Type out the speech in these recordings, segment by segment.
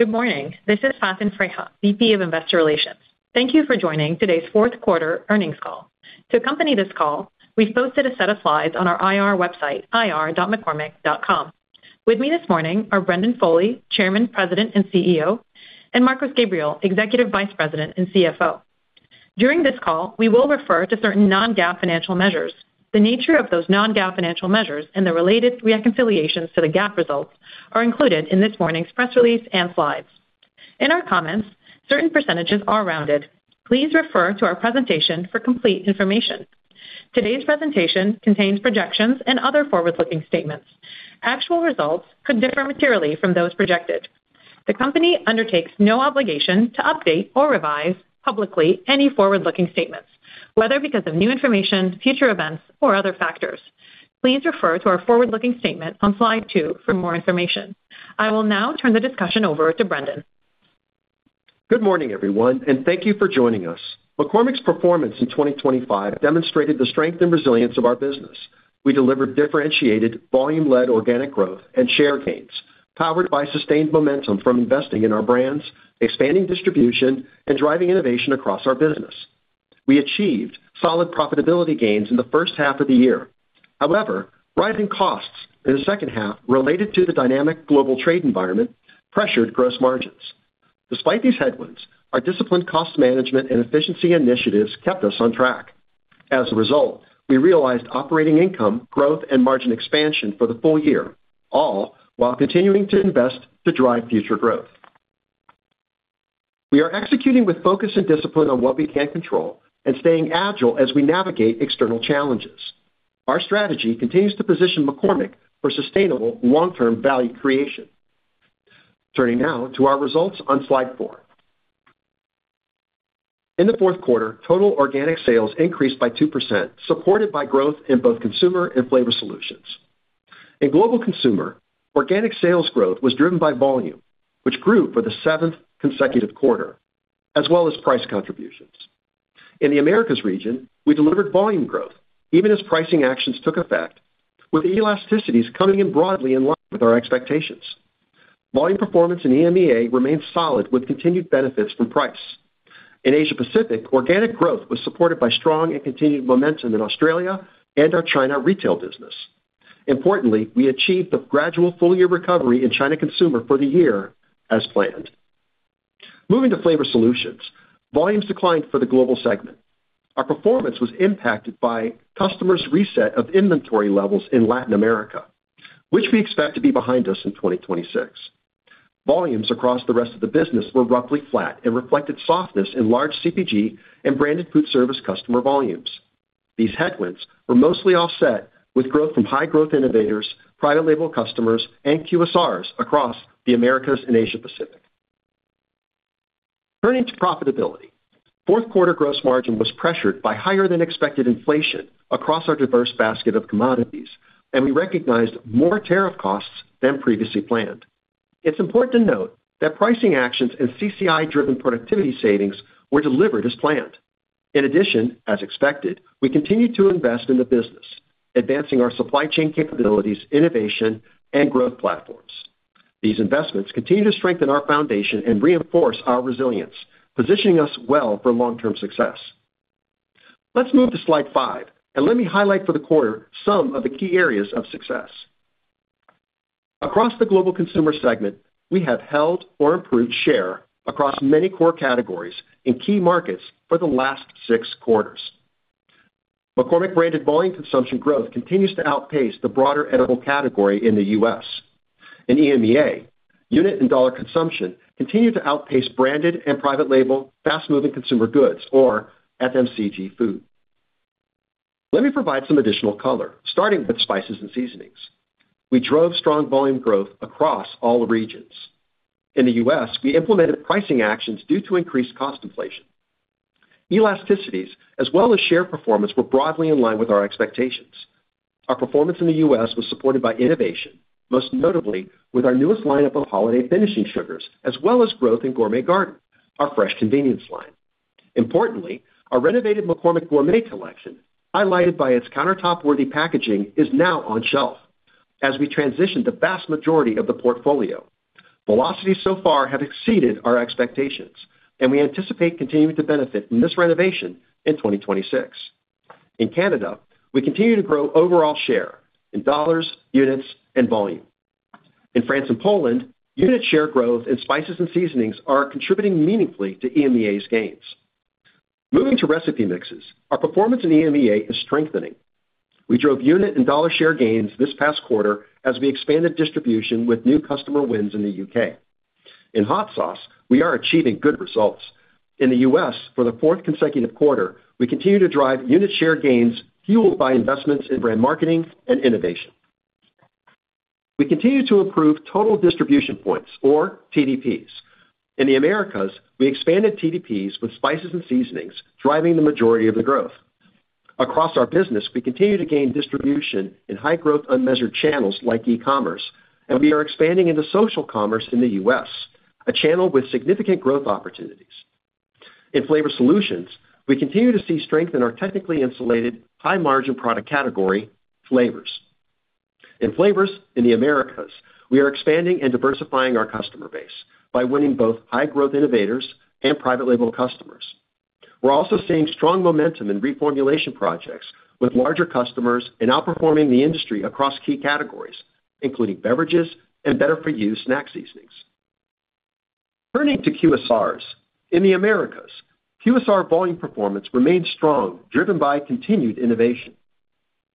Good morning. This is Faten Freiha, VP of Investor Relations. Thank you for joining today's fourth quarter earnings call. To accompany this call, we've posted a set of slides on our IR website, ir.mccormick.com. With me this morning are Brendan Foley, Chairman, President, and CEO, and Marcos Gabriel, Executive Vice President and CFO. During this call, we will refer to certain non-GAAP financial measures. The nature of those non-GAAP financial measures and the related reconciliations to the GAAP results are included in this morning's press release and slides. In our comments, certain percentages are rounded. Please refer to our presentation for complete information. Today's presentation contains projections and other forward-looking statements. Actual results could differ materially from those projected. The company undertakes no obligation to update or revise publicly any forward-looking statements, whether because of new information, future events, or other factors. Please refer to our forward-looking statement on slide two for more information. I will now turn the discussion over to Brendan. Good morning, everyone, and thank you for joining us. McCormick's performance in 2025 demonstrated the strength and resilience of our business. We delivered differentiated, volume-led organic growth and share gains, powered by sustained momentum from investing in our brands, expanding distribution, and driving innovation across our business. We achieved solid profitability gains in the first half of the year. However, rising costs in the second half, related to the dynamic global trade environment, pressured gross margins. Despite these headwinds, our disciplined cost management and efficiency initiatives kept us on track. As a result, we realized operating income, growth, and margin expansion for the full year, all while continuing to invest to drive future growth. We are executing with focus and discipline on what we can control and staying agile as we navigate external challenges. Our strategy continues to position McCormick for sustainable, long-term value creation. Turning now to our results on slide four. In the fourth quarter, total organic sales increased by 2%, supported by growth in both consumer and flavor solutions. In global consumer, organic sales growth was driven by volume, which grew for the seventh consecutive quarter, as well as price contributions. In the Americas region, we delivered volume growth, even as pricing actions took effect, with elasticities coming in broadly in line with our expectations. Volume performance in EMEA remained solid, with continued benefits from price. In Asia Pacific, organic growth was supported by strong and continued momentum in Australia and our China retail business. Importantly, we achieved the gradual full-year recovery in China consumer for the year as planned. Moving to flavor solutions, volumes declined for the global segment. Our performance was impacted by customers' reset of inventory levels in Latin America, which we expect to be behind us in 2026. Volumes across the rest of the business were roughly flat and reflected softness in large CPG and branded food service customer volumes. These headwinds were mostly offset, with growth from high-growth innovators, private label customers, and QSRs across the Americas and Asia Pacific. Turning to profitability, fourth quarter gross margin was pressured by higher-than-expected inflation across our diverse basket of commodities, and we recognized more tariff costs than previously planned. It's important to note that pricing actions and CCI-driven productivity savings were delivered as planned. In addition, as expected, we continue to invest in the business, advancing our supply chain capabilities, innovation, and growth platforms. These investments continue to strengthen our foundation and reinforce our resilience, positioning us well for long-term success. Let's move to slide five, and let me highlight for the quarter some of the key areas of success. Across the global consumer segment, we have held or improved share across many core categories in key markets for the last six quarters. McCormick-branded volume consumption growth continues to outpace the broader edible category in the U.S. In EMEA, unit and dollar consumption continued to outpace branded and private label fast-moving consumer goods, or FMCG food. Let me provide some additional color, starting with spices and seasonings. We drove strong volume growth across all regions. In the U.S., we implemented pricing actions due to increased cost inflation. Elasticities, as well as share performance, were broadly in line with our expectations. Our performance in the U.S. was supported by innovation, most notably with our newest lineup of holiday finishing sugars, as well as growth in Gourmet Garden, our fresh convenience line. Importantly, our renovated McCormick Gourmet collection, highlighted by its countertop-worthy packaging, is now on shelf as we transition the vast majority of the portfolio. Velocities so far have exceeded our expectations, and we anticipate continuing to benefit from this renovation in 2026. In Canada, we continue to grow overall share in dollars, units, and volume. In France and Poland, unit share growth in spices and seasonings are contributing meaningfully to EMEA's gains. Moving to recipe mixes, our performance in EMEA is strengthening. We drove unit and dollar share gains this past quarter as we expanded distribution with new customer wins in the UK. In hot sauce, we are achieving good results. In the US, for the fourth consecutive quarter, we continue to drive unit share gains fueled by investments in brand marketing and innovation. We continue to improve total distribution points, or TDPs. In the Americas, we expanded TDPs with spices and seasonings, driving the majority of the growth. Across our business, we continue to gain distribution in high-growth unmeasured channels like e-commerce, and we are expanding into social commerce in the U.S., a channel with significant growth opportunities. In flavor solutions, we continue to see strength in our technically insulated, high-margin product category, flavors. In flavors in the Americas, we are expanding and diversifying our customer base by winning both high-growth innovators and private label customers. We're also seeing strong momentum in reformulation projects with larger customers and outperforming the industry across key categories, including beverages and better-for-you snack seasonings. Turning to QSRs, in the Americas, QSR volume performance remains strong, driven by continued innovation.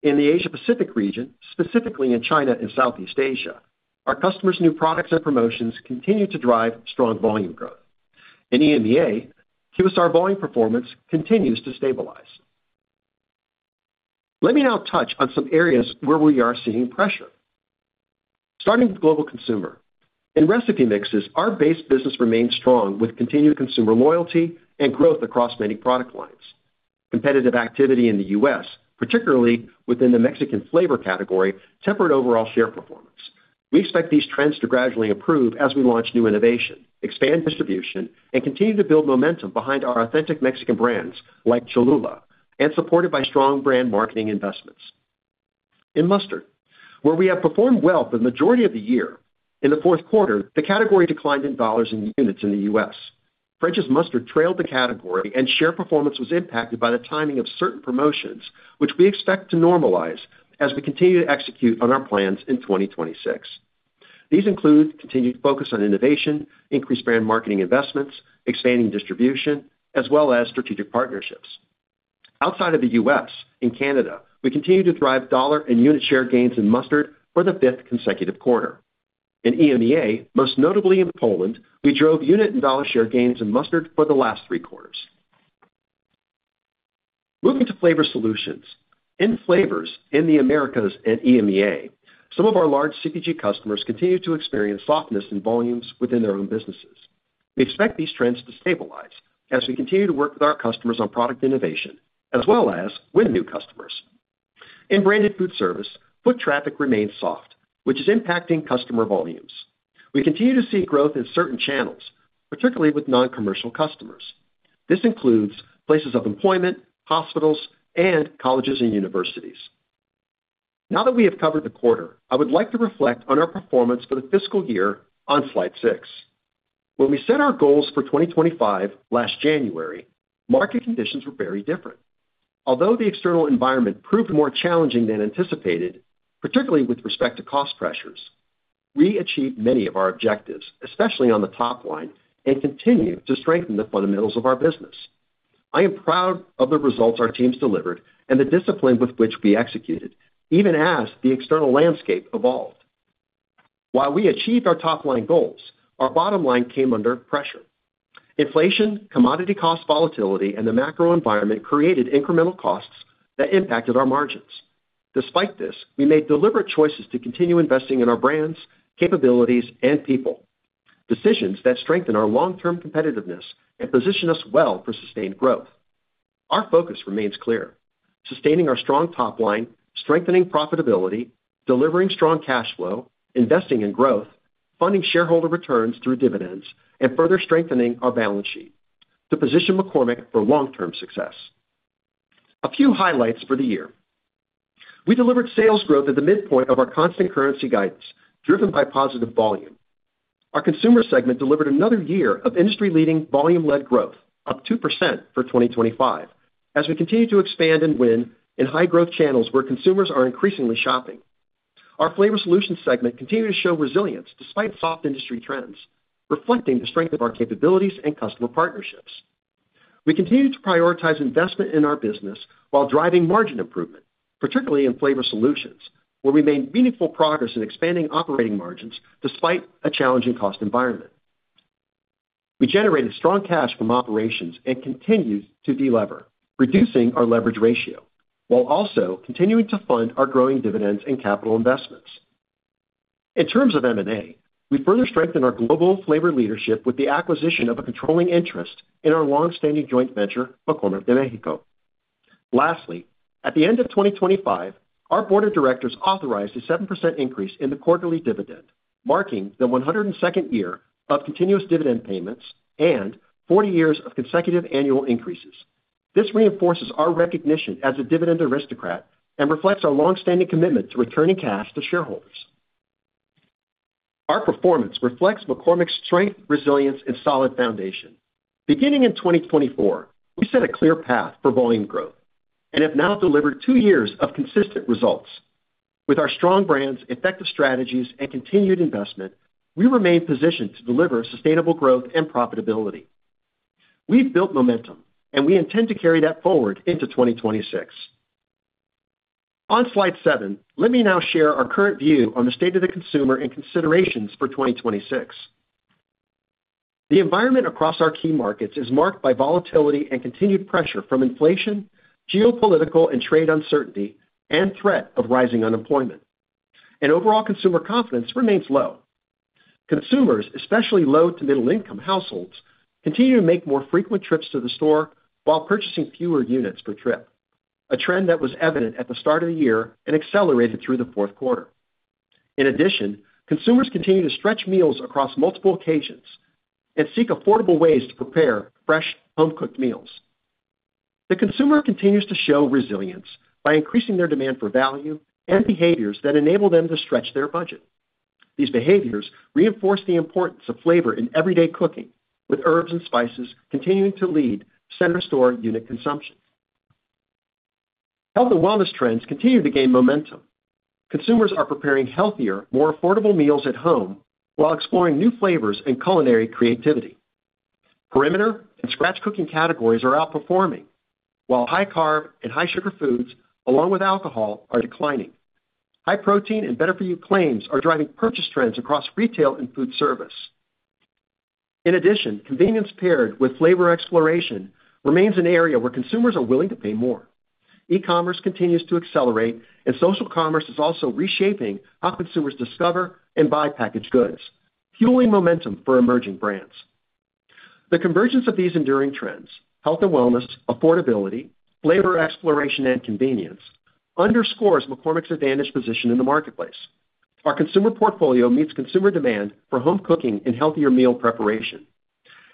In the Asia Pacific region, specifically in China and Southeast Asia, our customers' new products and promotions continue to drive strong volume growth. In EMEA, QSR volume performance continues to stabilize. Let me now touch on some areas where we are seeing pressure. Starting with global consumer, in recipe mixes, our base business remains strong with continued consumer loyalty and growth across many product lines. Competitive activity in the US, particularly within the Mexican flavor category, tempered overall share performance. We expect these trends to gradually improve as we launch new innovation, expand distribution, and continue to build momentum behind our authentic Mexican brands like Cholula, and supported by strong brand marketing investments. In mustard, where we have performed well for the majority of the year, in the fourth quarter, the category declined in dollars and units in the US. French's mustard trailed the category, and share performance was impacted by the timing of certain promotions, which we expect to normalize as we continue to execute on our plans in 2026. These include continued focus on innovation, increased brand marketing investments, expanding distribution, as well as strategic partnerships. Outside of the U.S., in Canada, we continue to drive dollar and unit share gains in mustard for the fifth consecutive quarter. In EMEA, most notably in Poland, we drove unit and dollar share gains in mustard for the last three quarters. Moving to flavor solutions. In flavors in the Americas and EMEA, some of our large CPG customers continue to experience softness in volumes within their own businesses. We expect these trends to stabilize as we continue to work with our customers on product innovation, as well as win new customers. In branded food service, foot traffic remains soft, which is impacting customer volumes. We continue to see growth in certain channels, particularly with non-commercial customers. This includes places of employment, hospitals, and colleges and universities. Now that we have covered the quarter, I would like to reflect on our performance for the fiscal year on slide six. When we set our goals for 2025 last January, market conditions were very different. Although the external environment proved more challenging than anticipated, particularly with respect to cost pressures, we achieved many of our objectives, especially on the top line, and continue to strengthen the fundamentals of our business. I am proud of the results our teams delivered and the discipline with which we executed, even as the external landscape evolved. While we achieved our top-line goals, our bottom line came under pressure. Inflation, commodity cost volatility, and the macro environment created incremental costs that impacted our margins. Despite this, we made deliberate choices to continue investing in our brands, capabilities, and people, decisions that strengthen our long-term competitiveness and position us well for sustained growth. Our focus remains clear: sustaining our strong top line, strengthening profitability, delivering strong cash flow, investing in growth, funding shareholder returns through dividends, and further strengthening our balance sheet to position McCormick for long-term success. A few highlights for the year. We delivered sales growth at the midpoint of our constant currency guidance, driven by positive volume. Our consumer segment delivered another year of industry-leading volume-led growth, up 2% for 2025, as we continue to expand and win in high-growth channels where consumers are increasingly shopping. Our flavor solutions segment continued to show resilience despite soft industry trends, reflecting the strength of our capabilities and customer partnerships. We continue to prioritize investment in our business while driving margin improvement, particularly in flavor solutions, where we made meaningful progress in expanding operating margins despite a challenging cost environment. We generated strong cash from operations and continued to delever, reducing our leverage ratio, while also continuing to fund our growing dividends and capital investments. In terms of M&A, we further strengthened our global flavor leadership with the acquisition of a controlling interest in our long-standing joint venture, McCormick de Mexico. Lastly, at the end of 2025, our board of directors authorized a 7% increase in the quarterly dividend, marking the 102nd year of continuous dividend payments and 40 years of consecutive annual increases. This reinforces our recognition as a dividend aristocrat and reflects our long-standing commitment to returning cash to shareholders. Our performance reflects McCormick's strength, resilience, and solid foundation. Beginning in 2024, we set a clear path for volume growth and have now delivered two years of consistent results. With our strong brands, effective strategies, and continued investment, we remain positioned to deliver sustainable growth and profitability. We've built momentum, and we intend to carry that forward into 2026. On slide seven, let me now share our current view on the state of the consumer and considerations for 2026. The environment across our key markets is marked by volatility and continued pressure from inflation, geopolitical and trade uncertainty, and threat of rising unemployment, and overall consumer confidence remains low. Consumers, especially low to middle-income households, continue to make more frequent trips to the store while purchasing fewer units per trip, a trend that was evident at the start of the year and accelerated through the fourth quarter. In addition, consumers continue to stretch meals across multiple occasions and seek affordable ways to prepare fresh, home-cooked meals. The consumer continues to show resilience by increasing their demand for value and behaviors that enable them to stretch their budget. These behaviors reinforce the importance of flavor in everyday cooking, with herbs and spices continuing to lead center-store unit consumption. Health and wellness trends continue to gain momentum. Consumers are preparing healthier, more affordable meals at home while exploring new flavors and culinary creativity. Perimeter and scratch cooking categories are outperforming, while high-carb and high-sugar foods, along with alcohol, are declining. High protein and better-for-you claims are driving purchase trends across retail and food service. In addition, convenience paired with flavor exploration remains an area where consumers are willing to pay more. E-commerce continues to accelerate, and social commerce is also reshaping how consumers discover and buy packaged goods, fueling momentum for emerging brands. The convergence of these enduring trends (health and wellness, affordability, flavor exploration, and convenience) underscores McCormick's advantage position in the marketplace. Our consumer portfolio meets consumer demand for home cooking and healthier meal preparation.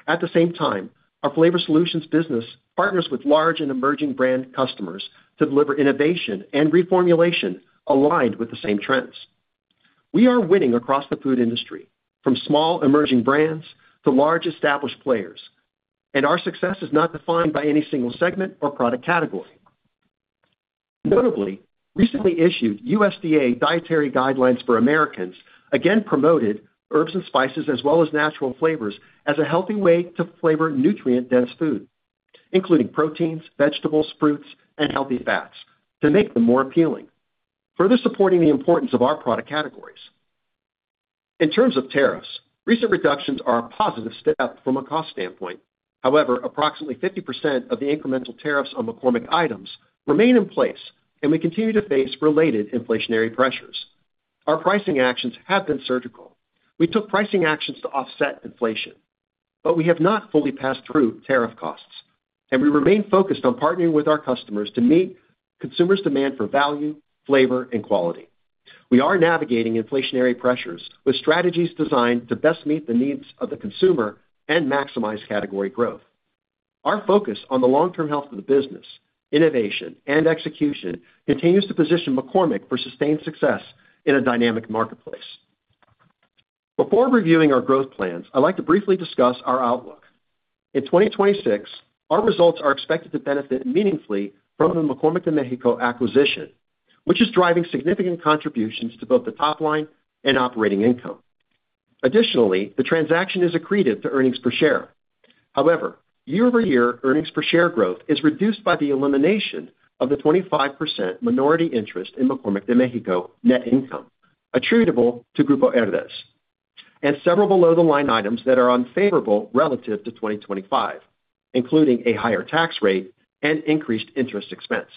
At the same time, our flavor solutions business partners with large and emerging brand customers to deliver innovation and reformulation aligned with the same trends. We are winning across the food industry, from small emerging brands to large established players, and our success is not defined by any single segment or product category. Notably, recently issued USDA Dietary Guidelines for Americans again promoted herbs and spices as well as natural flavors as a healthy way to flavor nutrient-dense food, including proteins, vegetables, fruits, and healthy fats, to make them more appealing, further supporting the importance of our product categories. In terms of tariffs, recent reductions are a positive step from a cost standpoint. However, approximately 50% of the incremental tariffs on McCormick items remain in place, and we continue to face related inflationary pressures. Our pricing actions have been surgical. We took pricing actions to offset inflation, but we have not fully passed through tariff costs, and we remain focused on partnering with our customers to meet consumers' demand for value, flavor, and quality. We are navigating inflationary pressures with strategies designed to best meet the needs of the consumer and maximize category growth. Our focus on the long-term health of the business, innovation, and execution continues to position McCormick for sustained success in a dynamic marketplace. Before reviewing our growth plans, I'd like to briefly discuss our outlook. In 2026, our results are expected to benefit meaningfully from the McCormick de Mexico acquisition, which is driving significant contributions to both the top line and operating income. Additionally, the transaction is accretive to earnings per share. However, year-over-year earnings per share growth is reduced by the elimination of the 25% minority interest in McCormick de Mexico net income, attributable to Grupo Herdez and several below-the-line items that are unfavorable relative to 2025, including a higher tax rate and increased interest expense.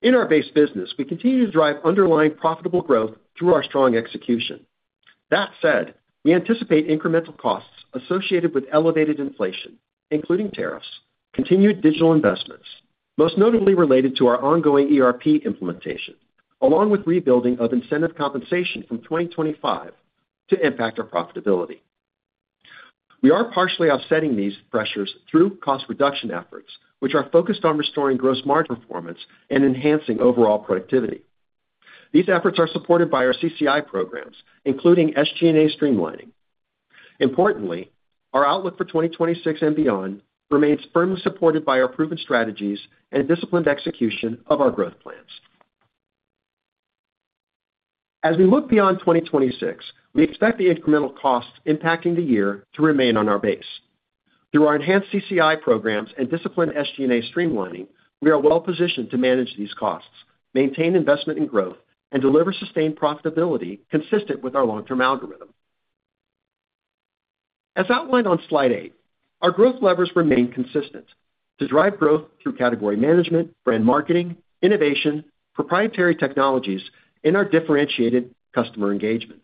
In our base business, we continue to drive underlying profitable growth through our strong execution. That said, we anticipate incremental costs associated with elevated inflation, including tariffs, continued digital investments, most notably related to our ongoing ERP implementation, along with rebuilding of incentive compensation from 2025 to impact our profitability. We are partially offsetting these pressures through cost reduction efforts, which are focused on restoring gross margin performance and enhancing overall productivity. These efforts are supported by our CCI programs, including SG&A streamlining. Importantly, our outlook for 2026 and beyond remains firmly supported by our proven strategies and disciplined execution of our growth plans. As we look beyond 2026, we expect the incremental costs impacting the year to remain on our base. Through our enhanced CCI programs and disciplined SG&A streamlining, we are well-positioned to manage these costs, maintain investment and growth, and deliver sustained profitability consistent with our long-term algorithm. As outlined on slide eight, our growth levers remain consistent to drive growth through category management, brand marketing, innovation, proprietary technologies, and our differentiated customer engagement.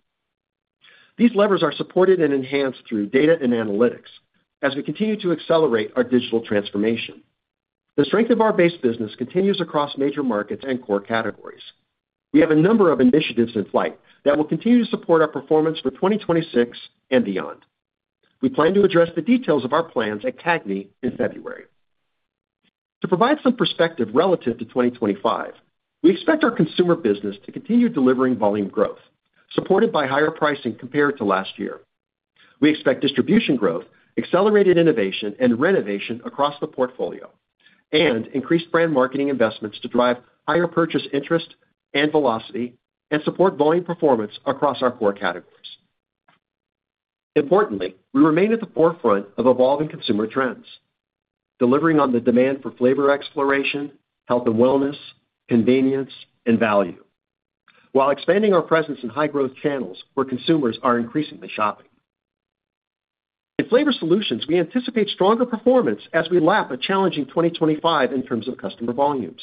These levers are supported and enhanced through data and analytics as we continue to accelerate our digital transformation. The strength of our base business continues across major markets and core categories. We have a number of initiatives in flight that will continue to support our performance for 2026 and beyond. We plan to address the details of our plans at CAGNI in February. To provide some perspective relative to 2025, we expect our consumer business to continue delivering volume growth, supported by higher pricing compared to last year. We expect distribution growth, accelerated innovation and renovation across the portfolio, and increased brand marketing investments to drive higher purchase interest and velocity and support volume performance across our core categories. Importantly, we remain at the forefront of evolving consumer trends, delivering on the demand for flavor exploration, health and wellness, convenience, and value, while expanding our presence in high-growth channels where consumers are increasingly shopping. In flavor solutions, we anticipate stronger performance as we lap a challenging 2025 in terms of customer volumes.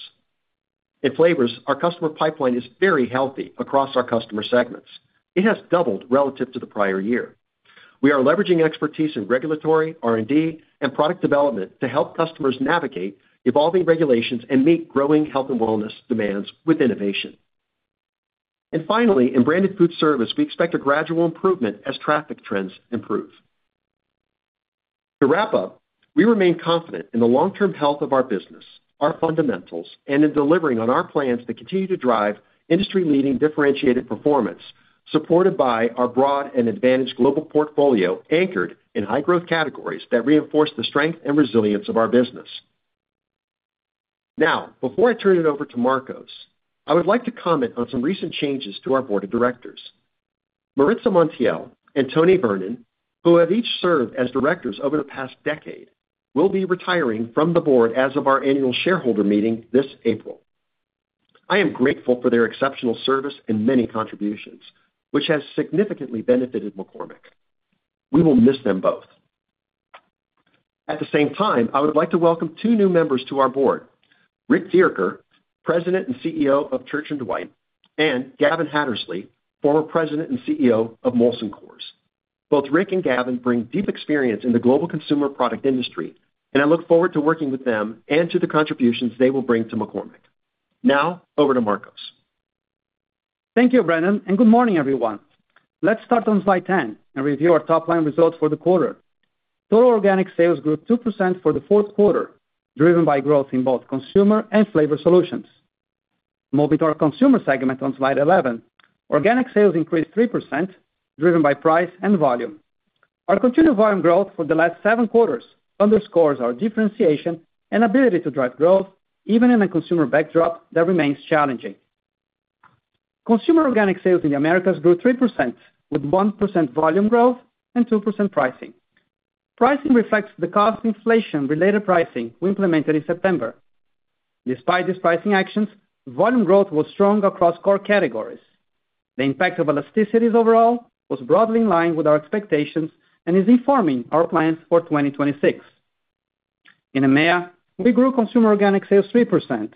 In flavors, our customer pipeline is very healthy across our customer segments. It has doubled relative to the prior year. We are leveraging expertise in regulatory, R&D, and product development to help customers navigate evolving regulations and meet growing health and wellness demands with innovation. Finally, in branded food service, we expect a gradual improvement as traffic trends improve. To wrap up, we remain confident in the long-term health of our business, our fundamentals, and in delivering on our plans to continue to drive industry-leading differentiated performance, supported by our broad and advantaged global portfolio anchored in high-growth categories that reinforce the strength and resilience of our business. Now, before I turn it over to Marcos, I would like to comment on some recent changes to our board of directors. Maritza Montiel and Tony Vernon, who have each served as directors over the past decade, will be retiring from the board as of our annual shareholder meeting this April. I am grateful for their exceptional service and many contributions, which has significantly benefited McCormick. We will miss them both. At the same time, I would like to welcome two new members to our board: Rick Dierker, President and CEO of Church & Dwight, and Gavin Hattersley, former President and CEO of Molson Coors. Both Rick and Gavin bring deep experience in the global consumer product industry, and I look forward to working with them and to the contributions they will bring to McCormick. Now, over to Marcos. Thank you, Brendan, and good morning, everyone. Let's start on slide 10 and review our top line results for the quarter. Total organic sales grew 2% for the fourth quarter, driven by growth in both consumer and flavor solutions. Moving to our consumer segment on slide 11, organic sales increased 3%, driven by price and volume. Our continued volume growth for the last seven quarters underscores our differentiation and ability to drive growth, even in a consumer backdrop that remains challenging. Consumer organic sales in the Americas grew 3%, with 1% volume growth and 2% pricing. Pricing reflects the cost inflation-related pricing we implemented in September. Despite these pricing actions, volume growth was strong across core categories. The impact of elasticities overall was broadly in line with our expectations and is informing our plans for 2026. In EMEA, we grew consumer organic sales 3%,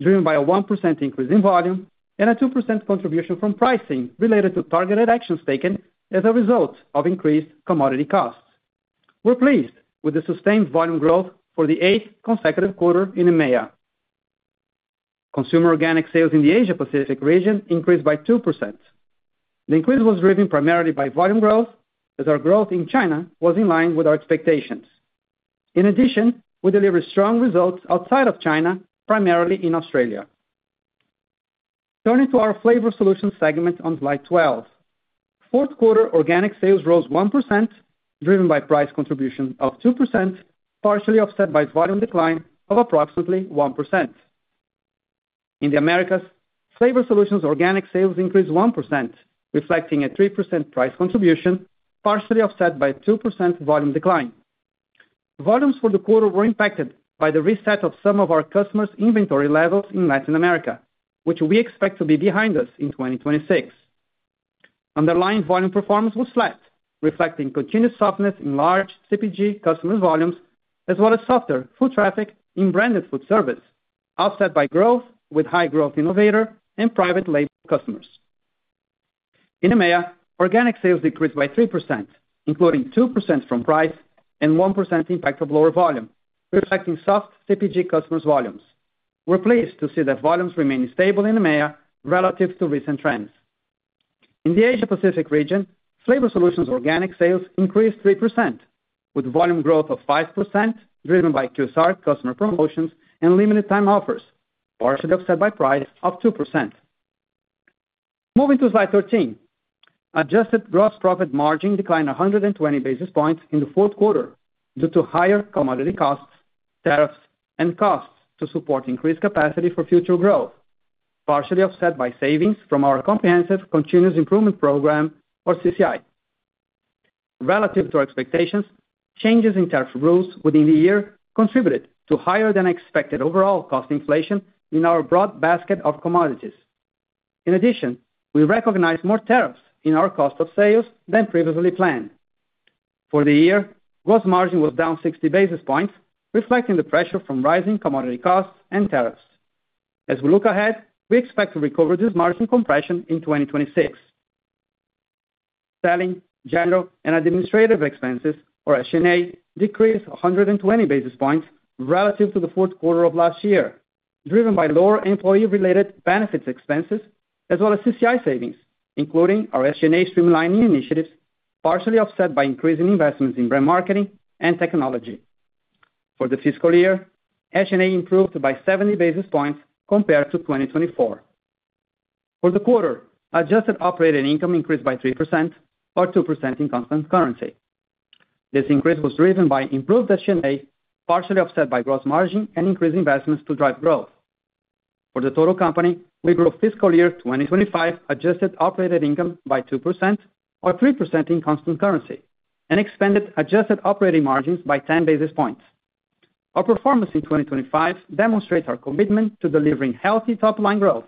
driven by a 1% increase in volume and a 2% contribution from pricing related to targeted actions taken as a result of increased commodity costs. We're pleased with the sustained volume growth for the eighth consecutive quarter in EMEA. Consumer organic sales in the Asia-Pacific region increased by 2%. The increase was driven primarily by volume growth, as our growth in China was in line with our expectations. In addition, we delivered strong results outside of China, primarily in Australia. Turning to our flavor solutions segment on slide 12, fourth quarter organic sales rose 1%, driven by price contribution of 2%, partially offset by volume decline of approximately 1%. In the Americas, flavor solutions organic sales increased 1%, reflecting a 3% price contribution, partially offset by 2% volume decline. Volumes for the quarter were impacted by the reset of some of our customers' inventory levels in Latin America, which we expect to be behind us in 2026. Underlying volume performance was flat, reflecting continued softness in large CPG customers' volumes, as well as softer food traffic in branded food service, offset by growth with high-growth innovator and private label customers. In EMEA, organic sales decreased by 3%, including 2% from price and 1% impact from lower volume, reflecting soft CPG customers' volumes. We're pleased to see that volumes remain stable in EMEA relative to recent trends. In the Asia-Pacific region, flavor solutions organic sales increased 3%, with volume growth of 5%, driven by QSR customer promotions and limited-time offers, partially offset by price of 2%. Moving to slide 13, adjusted gross profit margin declined 120 basis points in the fourth quarter due to higher commodity costs, tariffs, and costs to support increased capacity for future growth, partially offset by savings from our Comprehensive Continuous Improvement program, or CCI. Relative to our expectations, changes in tariff rules within the year contributed to higher-than-expected overall cost inflation in our broad basket of commodities. In addition, we recognized more tariffs in our cost of sales than previously planned. For the year, gross margin was down 60 basis points, reflecting the pressure from rising commodity costs and tariffs. As we look ahead, we expect to recover this margin compression in 2026. Selling, general, and administrative expenses, or SG&A, decreased 120 basis points relative to the fourth quarter of last year, driven by lower employee-related benefits expenses, as well as CCI savings, including our SG&A streamlining initiatives, partially offset by increasing investments in brand marketing and technology. For the fiscal year, SG&A improved by 70 basis points compared to 2024. For the quarter, adjusted operating income increased by 3%, or 2% in constant currency. This increase was driven by improved SG&A, partially offset by gross margin and increased investments to drive growth. For the total company, we grew fiscal year 2025 adjusted operating income by 2%, or 3% in constant currency, and expanded adjusted operating margins by 10 basis points. Our performance in 2025 demonstrates our commitment to delivering healthy top-line growth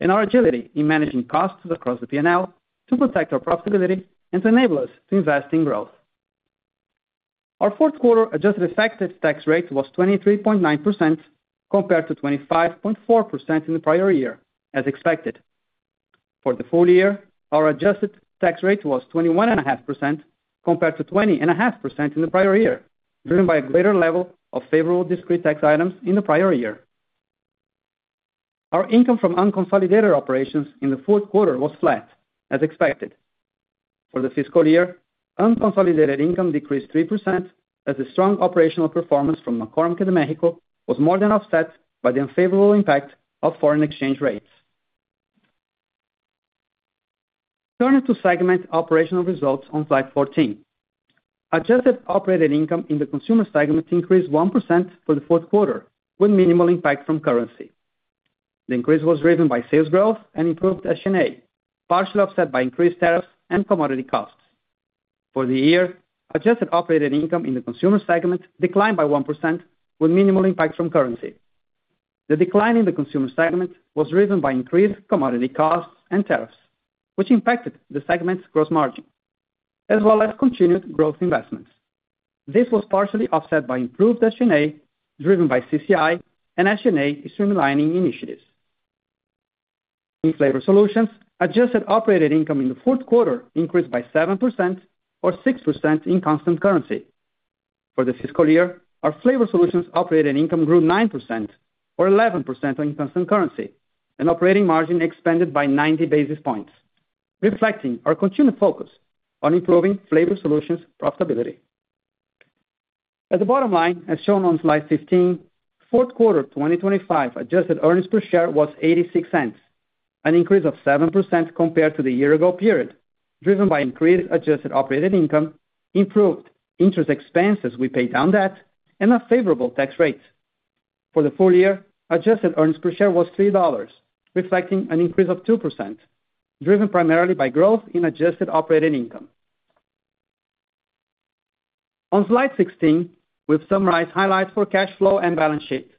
and our agility in managing costs across the P&L to protect our profitability and to enable us to invest in growth. Our fourth quarter adjusted effective tax rate was 23.9% compared to 25.4% in the prior year, as expected. For the full year, our adjusted tax rate was 21.5% compared to 20.5% in the prior year, driven by a greater level of favorable discrete tax items in the prior year. Our income from unconsolidated operations in the fourth quarter was flat, as expected. For the fiscal year, unconsolidated income decreased 3%, as the strong operational performance from McCormick de Mexico was more than offset by the unfavorable impact of foreign exchange rates. Turning to segment operational results on slide 14, adjusted operating income in the consumer segment increased 1% for the fourth quarter, with minimal impact from currency. The increase was driven by sales growth and improved SG&A, partially offset by increased tariffs and commodity costs. For the year, adjusted operating income in the consumer segment declined by 1%, with minimal impact from currency. The decline in the consumer segment was driven by increased commodity costs and tariffs, which impacted the segment's gross margin, as well as continued growth investments. This was partially offset by improved SG&A, driven by CCI and SG&A streamlining initiatives. In flavor solutions, adjusted operating income in the fourth quarter increased by 7%, or 6% in constant currency. For the fiscal year, our flavor solutions operating income grew 9%, or 11% in constant currency, and operating margin expanded by 90 basis points, reflecting our continued focus on improving flavor solutions profitability. At the bottom line, as shown on slide 15, fourth quarter 2025 adjusted earnings per share was $0.86, an increase of 7% compared to the year-ago period, driven by increased adjusted operating income, improved interest expense as we paid down debt, and a favorable tax rate. For the full year, adjusted earnings per share was $3, reflecting an increase of 2%, driven primarily by growth in adjusted operating income. On slide 16, we've summarized highlights for cash flow and balance sheet.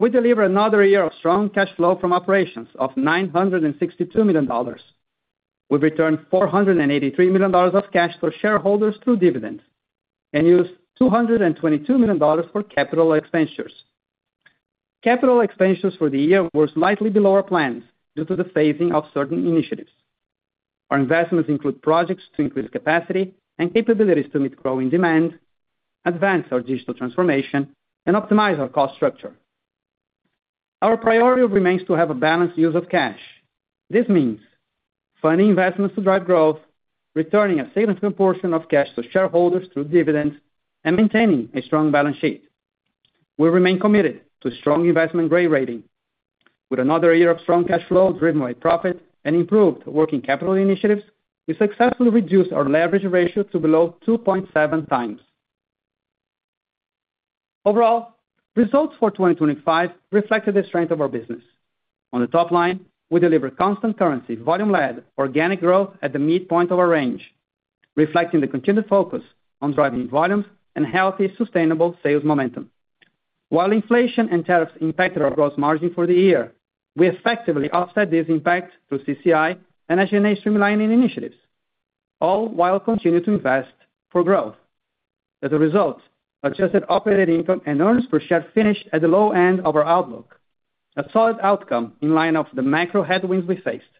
We delivered another year of strong cash flow from operations of $962 million. We returned $483 million of cash to shareholders through dividends and used $222 million for capital expenditures. Capital expenditures for the year were slightly below our plans due to the phasing of certain initiatives. Our investments include projects to increase capacity and capabilities to meet growing demand, advance our digital transformation, and optimize our cost structure. Our priority remains to have a balanced use of cash. This means funding investments to drive growth, returning a significant portion of cash to shareholders through dividends, and maintaining a strong balance sheet. We remain committed to strong investment-grade rating. With another year of strong cash flow driven by profit and improved working capital initiatives, we successfully reduced our leverage ratio to below 2.7 times. Overall, results for 2025 reflected the strength of our business. On the top line, we delivered constant currency, volume-led, organic growth at the midpoint of our range, reflecting the continued focus on driving volumes and healthy, sustainable sales momentum. While inflation and tariffs impacted our gross margin for the year, we effectively offset these impacts through CCI and SG&A streamlining initiatives, all while continuing to invest for growth. As a result, adjusted operating income and earnings per share finished at the low end of our outlook, a solid outcome in line with the macro headwinds we faced.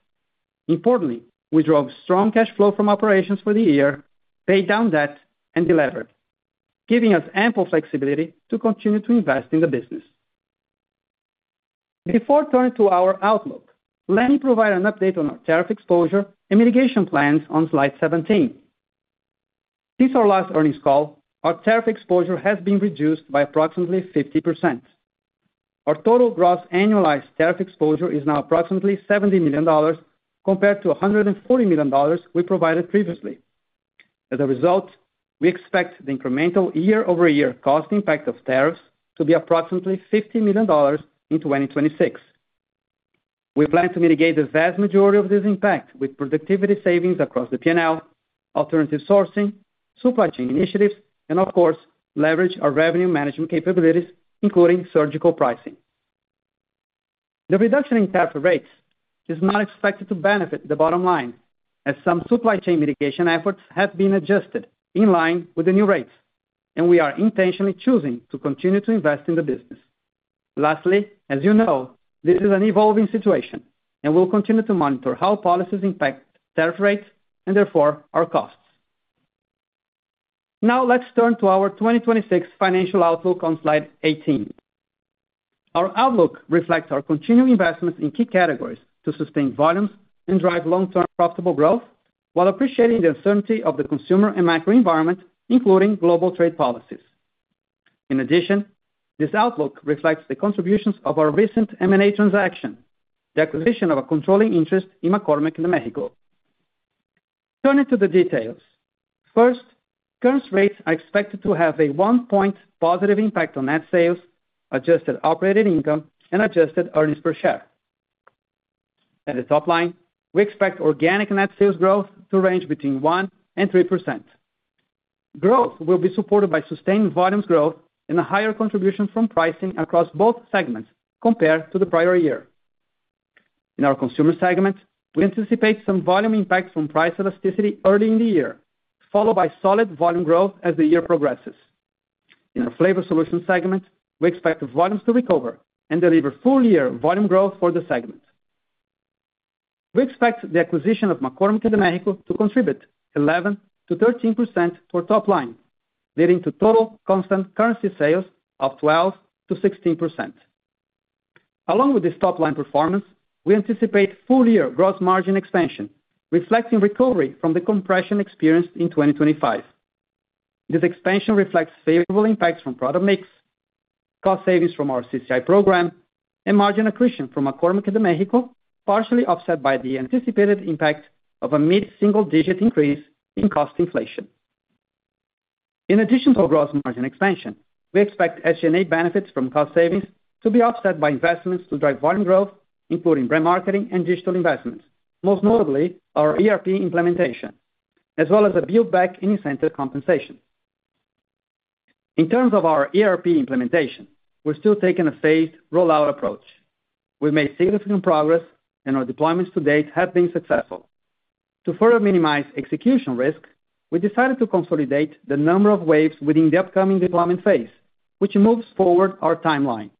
Importantly, we drove strong cash flow from operations for the year, paid down debt, and delivered, giving us ample flexibility to continue to invest in the business. Before turning to our outlook, let me provide an update on our tariff exposure and mitigation plans on slide 17. Since our last earnings call, our tariff exposure has been reduced by approximately 50%. Our total gross annualized tariff exposure is now approximately $70 million compared to $140 million we provided previously. As a result, we expect the incremental year-over-year cost impact of tariffs to be approximately $50 million in 2026. We plan to mitigate the vast majority of this impact with productivity savings across the P&L, alternative sourcing, supply chain initiatives, and, of course, leverage our revenue management capabilities, including surgical pricing. The reduction in tariff rates is not expected to benefit the bottom line, as some supply chain mitigation efforts have been adjusted in line with the new rates, and we are intentionally choosing to continue to invest in the business. Lastly, as you know, this is an evolving situation, and we'll continue to monitor how policies impact tariff rates and, therefore, our costs. Now, let's turn to our 2026 financial outlook on slide 18. Our outlook reflects our continued investments in key categories to sustain volumes and drive long-term profitable growth, while appreciating the uncertainty of the consumer and macro environment, including global trade policies. In addition, this outlook reflects the contributions of our recent M&A transaction, the acquisition of a controlling interest in McCormick de Mexico. Turning to the details, first, current rates are expected to have a one-point positive impact on net sales, adjusted operating income, and adjusted earnings per share. At the top line, we expect organic net sales growth to range between 1% and 3%. Growth will be supported by sustained volumes growth and a higher contribution from pricing across both segments compared to the prior year. In our consumer segment, we anticipate some volume impact from price elasticity early in the year, followed by solid volume growth as the year progresses. In our flavor solutions segment, we expect volumes to recover and deliver full-year volume growth for the segment. We expect the acquisition of McCormick de Mexico to contribute 11%-13% to our top line, leading to total constant currency sales of 12%-16%. Along with this top-line performance, we anticipate full-year gross margin expansion, reflecting recovery from the compression experienced in 2025. This expansion reflects favorable impacts from product mix, cost savings from our CCI program, and margin accretion from McCormick de Mexico, partially offset by the anticipated impact of a mid-single-digit increase in cost inflation. In addition to our gross margin expansion, we expect SG&A benefits from cost savings to be offset by investments to drive volume growth, including brand marketing and digital investments, most notably our ERP implementation, as well as a build-back in incentive compensation. In terms of our ERP implementation, we're still taking a phased rollout approach. We've made significant progress, and our deployments to date have been successful. To further minimize execution risk, we decided to consolidate the number of waves within the upcoming deployment phase, which moves forward our timeline.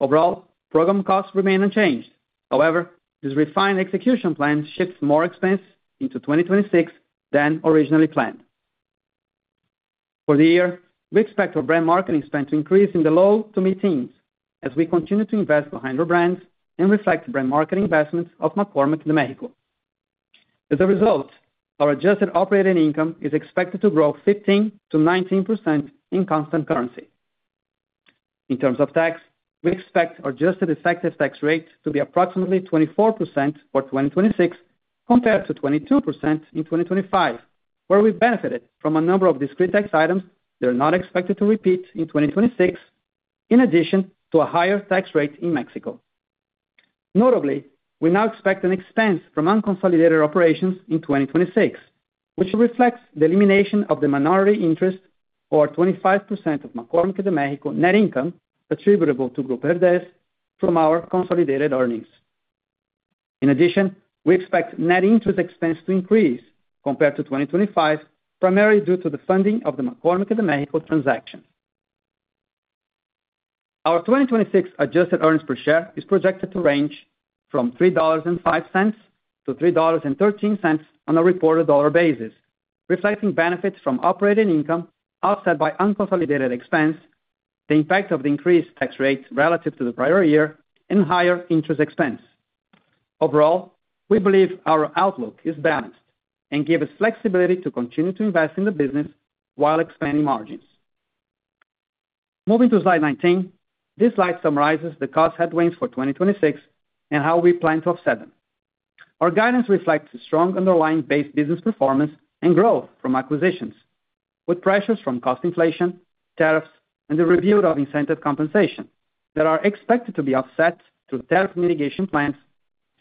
Overall, program costs remain unchanged. However, this refined execution plan shifts more expenses into 2026 than originally planned. For the year, we expect our brand marketing spend to increase in the low to mid-teens, as we continue to invest behind our brands and reflect brand marketing investments of McCormick de Mexico. As a result, our adjusted operating income is expected to grow 15%-19% in constant currency. In terms of tax, we expect our adjusted effective tax rate to be approximately 24% for 2026 compared to 22% in 2025, where we benefited from a number of discrete tax items that are not expected to repeat in 2026, in addition to a higher tax rate in Mexico. Notably, we now expect an expense from unconsolidated operations in 2026, which reflects the elimination of the minority interest, or 25% of McCormick de Mexico net income attributable to Grupo Herdez from our consolidated earnings. In addition, we expect net interest expense to increase compared to 2025, primarily due to the funding of the McCormick de Mexico transaction. Our 2026 adjusted earnings per share is projected to range from $3.05 to $3.13 on a reported dollar basis, reflecting benefits from operating income offset by unconsolidated expense, the impact of the increased tax rate relative to the prior year, and higher interest expense. Overall, we believe our outlook is balanced and gives us flexibility to continue to invest in the business while expanding margins. Moving to slide 19, this slide summarizes the cost headwinds for 2026 and how we plan to offset them. Our guidance reflects a strong underlying base business performance and growth from acquisitions, with pressures from cost inflation, tariffs, and the review of incentive compensation that are expected to be offset through tariff mitigation plans,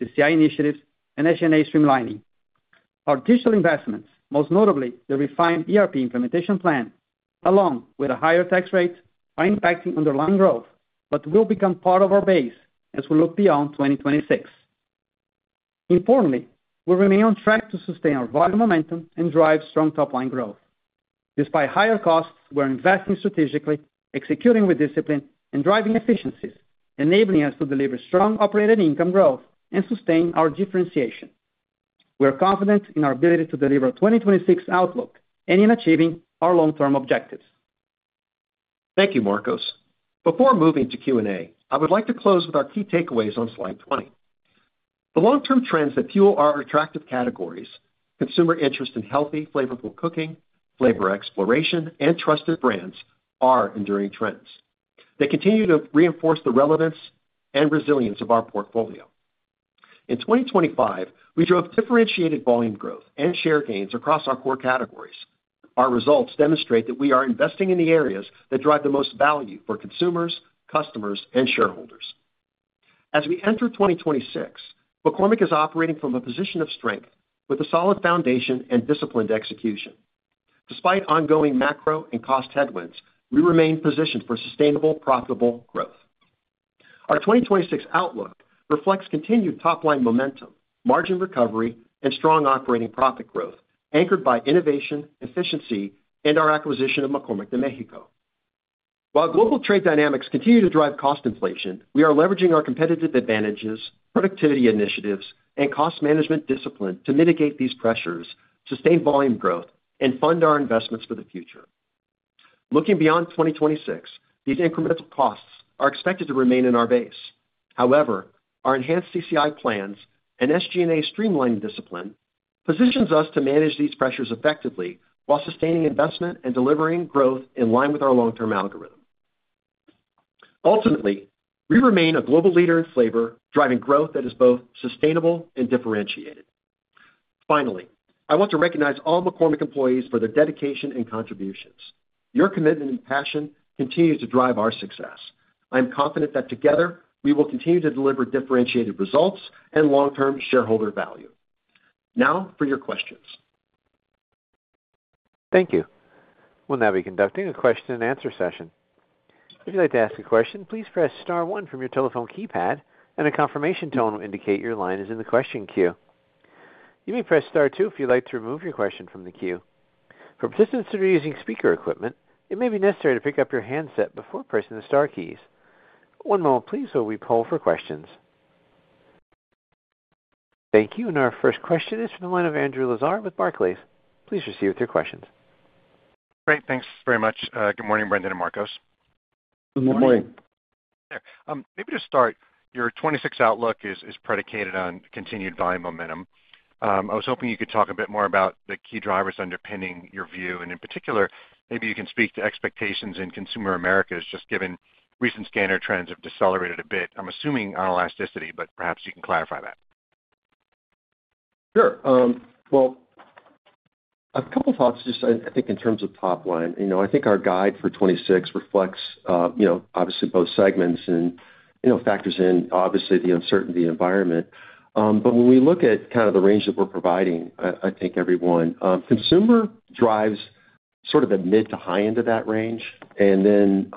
CCI initiatives, and SG&A streamlining. Our digital investments, most notably the refined ERP implementation plan, along with a higher tax rate, are impacting underlying growth but will become part of our base as we look beyond 2026. Importantly, we remain on track to sustain our volume momentum and drive strong top-line growth. Despite higher costs, we're investing strategically, executing with discipline, and driving efficiencies, enabling us to deliver strong operating income growth and sustain our differentiation. We're confident in our ability to deliver a 2026 outlook and in achieving our long-term objectives. Thank you, Marcos. Before moving to Q&A, I would like to close with our key takeaways on slide 20. The long-term trends that fuel our attractive categories, consumer interest in healthy, flavorful cooking, flavor exploration, and trusted brands, are enduring trends. They continue to reinforce the relevance and resilience of our portfolio. In 2025, we drove differentiated volume growth and share gains across our core categories. Our results demonstrate that we are investing in the areas that drive the most value for consumers, customers, and shareholders. As we enter 2026, McCormick is operating from a position of strength with a solid foundation and disciplined execution. Despite ongoing macro and cost headwinds, we remain positioned for sustainable, profitable growth. Our 2026 outlook reflects continued top-line momentum, margin recovery, and strong operating profit growth, anchored by innovation, efficiency, and our acquisition of McCormick de Mexico. While global trade dynamics continue to drive cost inflation, we are leveraging our competitive advantages, productivity initiatives, and cost management discipline to mitigate these pressures, sustain volume growth, and fund our investments for the future. Looking beyond 2026, these incremental costs are expected to remain in our base. However, our enhanced CCI plans and SG&A streamlining discipline position us to manage these pressures effectively while sustaining investment and delivering growth in line with our long-term algorithm. Ultimately, we remain a global leader in flavor, driving growth that is both sustainable and differentiated. Finally, I want to recognize all McCormick employees for their dedication and contributions. Your commitment and passion continue to drive our success. I am confident that together, we will continue to deliver differentiated results and long-term shareholder value. Now, for your questions. Thank you. We'll now be conducting a question-and-answer session. If you'd like to ask a question, please press Star 1 from your telephone keypad, and a confirmation tone will indicate your line is in the question queue. You may press Star 2 if you'd like to remove your question from the queue. For participants that are using speaker equipment, it may be necessary to pick up your handset before pressing the Star keys. One moment, please, while we poll for questions. Thank you. And our first question is from the line of Andrew Lazar with Barclays. Please proceed with your questions. Great. Thanks very much. Good morning, Brendan and Marcos. Good morning. Good morning. Maybe to start, your 2026 outlook is predicated on continued volume momentum. I was hoping you could talk a bit more about the key drivers underpinning your view. And in particular, maybe you can speak to expectations in consumer Americas just given recent scanner trends have decelerated a bit? I'm assuming on elasticity, but perhaps you can clarify that. Sure. Well, a couple of thoughts just, I think, in terms of top line. I think our guide for 2026 reflects, obviously, both segments and factors in, obviously, the uncertain environment. But when we look at kind of the range that we're providing, I think the consumer drives sort of the mid to high end of that range, and then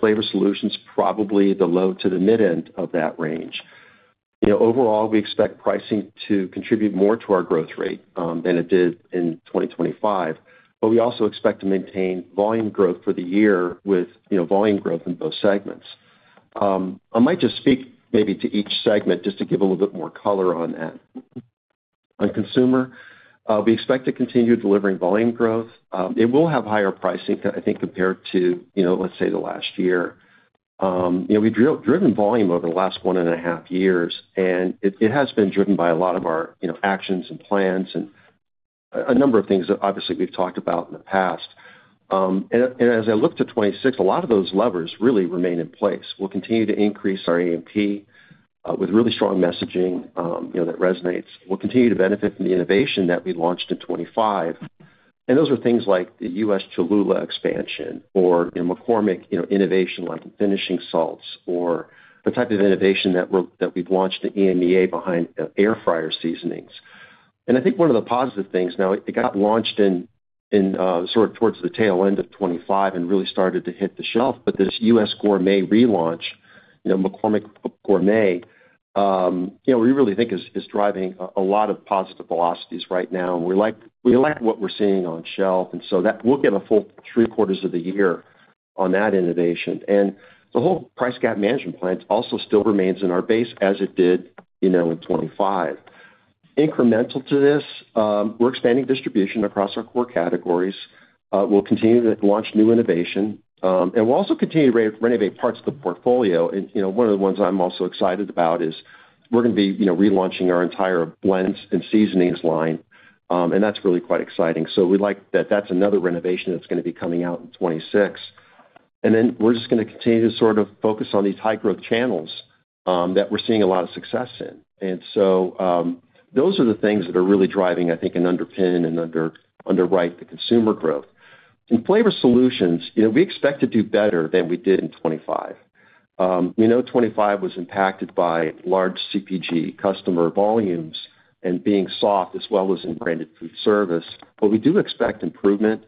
flavor solutions probably the low to the mid-end of that range. Overall, we expect pricing to contribute more to our growth rate than it did in 2025, but we also expect to maintain volume growth for the year with volume growth in both segments. I might just speak maybe to each segment just to give a little bit more color on that. On consumer, we expect to continue delivering volume growth. It will have higher pricing, I think, compared to, let's say, the last year. We've driven volume over the last one and a half years, and it has been driven by a lot of our actions and plans and a number of things that, obviously, we've talked about in the past. As I look to 2026, a lot of those levers really remain in place. We'll continue to increase our A&P with really strong messaging that resonates. We'll continue to benefit from the innovation that we launched in 2025. Those are things like the U.S. Cholula expansion or McCormick innovation like finishing salts or the type of innovation that we've launched in EMEA behind air fryer seasonings. And I think one of the positive things now. It got launched in sort of towards the tail end of 2025 and really started to hit the shelf, but this U.S. Gourmet relaunch, McCormick Gourmet, we really think is driving a lot of positive velocities right now. We like what we're seeing on shelf, and so we'll get a full three-quarters of the year on that innovation. And the whole price gap management plan also still remains in our base as it did in 2025. Incremental to this, we're expanding distribution across our core categories. We'll continue to launch new innovation, and we'll also continue to renovate parts of the portfolio. And one of the ones I'm also excited about is we're going to be relaunching our entire blends and seasonings line, and that's really quite exciting. We like that that's another renovation that's going to be coming out in 2026. Then we're just going to continue to sort of focus on these high-growth channels that we're seeing a lot of success in. Those are the things that are really driving, I think, and underpin and underwrite the consumer growth. In flavor solutions, we expect to do better than we did in 2025. We know 2025 was impacted by large CPG customer volumes and being soft as well as in branded food service, but we do expect improvement,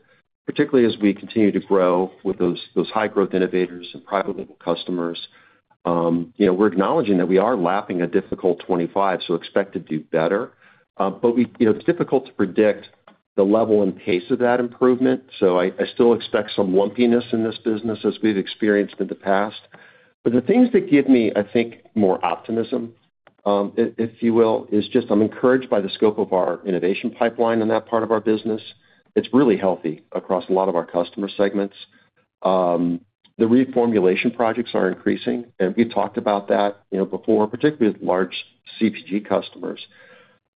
particularly as we continue to grow with those high-growth innovators and private-level customers. We're acknowledging that we are lapping a difficult 2025, so expect to do better. It's difficult to predict the level and pace of that improvement, so I still expect some lumpiness in this business as we've experienced in the past. But the things that give me, I think, more optimism, if you will, is just I'm encouraged by the scope of our innovation pipeline on that part of our business. It's really healthy across a lot of our customer segments. The reformulation projects are increasing, and we've talked about that before, particularly with large CPG customers.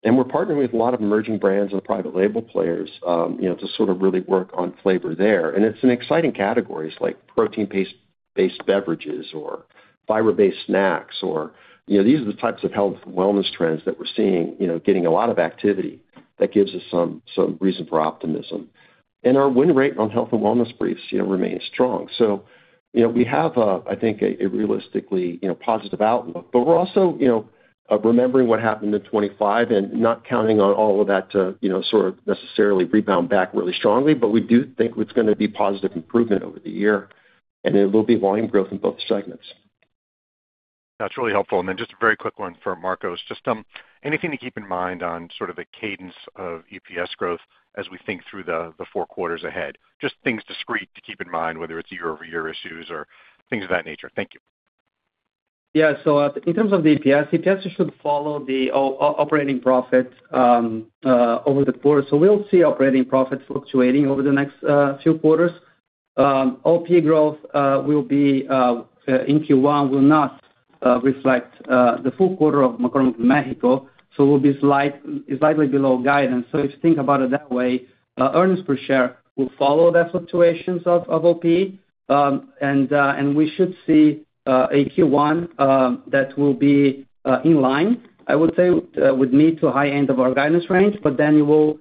And we're partnering with a lot of emerging brands and private label players to sort of really work on flavor there. And it's in exciting categories like protein-based beverages or fiber-based snacks. These are the types of health and wellness trends that we're seeing getting a lot of activity that gives us some reason for optimism. And our win rate on health and wellness briefs remains strong. So we have, I think, a realistically positive outlook, but we're also remembering what happened in 2025 and not counting on all of that to sort of necessarily rebound back really strongly. But we do think it's going to be positive improvement over the year, and there will be volume growth in both segments. That's really helpful. And then just a very quick one for Marcos. Just anything to keep in mind on sort of the cadence of EPS growth as we think through the four quarters ahead? Just things discrete to keep in mind, whether it's year-over-year issues or things of that nature. Thank you. Yeah. So in terms of the EPS, EPS should follow the operating profit over the quarter. So we'll see operating profits fluctuating over the next few quarters. OP growth in Q1 will not reflect the full quarter of McCormick de Mexico, so it will be slightly below guidance. So if you think about it that way, earnings per share will follow the fluctuations of OP, and we should see a Q1 that will be in line, I would say, with mid to high end of our guidance range, but then it will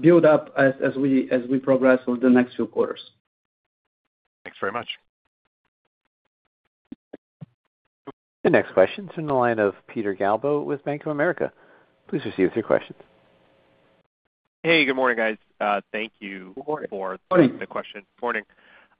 build up as we progress over the next few quarters. Thanks very much. The next question is from the line of Peter Galbo with Bank of America. Please proceed with your questions. Hey, good morning, guys. Thank you for the question. Good morning. Good morning.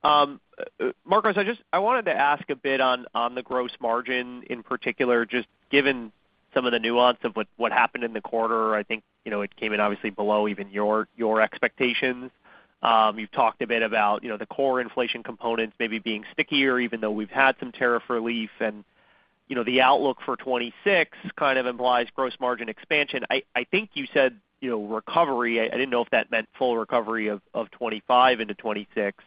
Marcos, I wanted to ask a bit on the gross margin in particular, just given some of the nuance of what happened in the quarter. I think it came in, obviously, below even your expectations. You've talked a bit about the core inflation components maybe being stickier, even though we've had some tariff relief, and the outlook for 2026 kind of implies gross margin expansion. I think you said recovery. I didn't know if that meant full recovery of 2025 into 2026,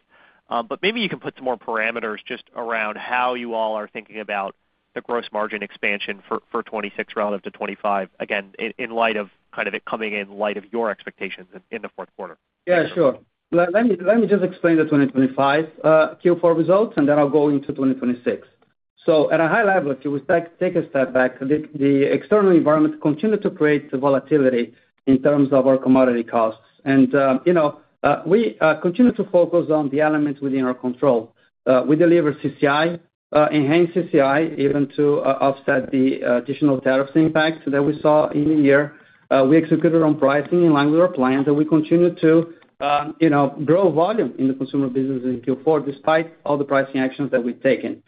but maybe you can put some more parameters just around how you all are thinking about the gross margin expansion for 2026 relative to 2025, again, in light of kind of it coming in light of your expectations in the fourth quarter. Yeah, sure. Let me just explain the 2025 Q4 results, and then I'll go into 2026, so at a high level, if you would take a step back, the external environment continued to create volatility in terms of our commodity costs, and we continue to focus on the elements within our control. We deliver CCI, enhanced CCI, even to offset the additional tariffs impact that we saw in the year. We executed on pricing in line with our plan, and we continue to grow volume in the consumer business in Q4 despite all the pricing actions that we've taken.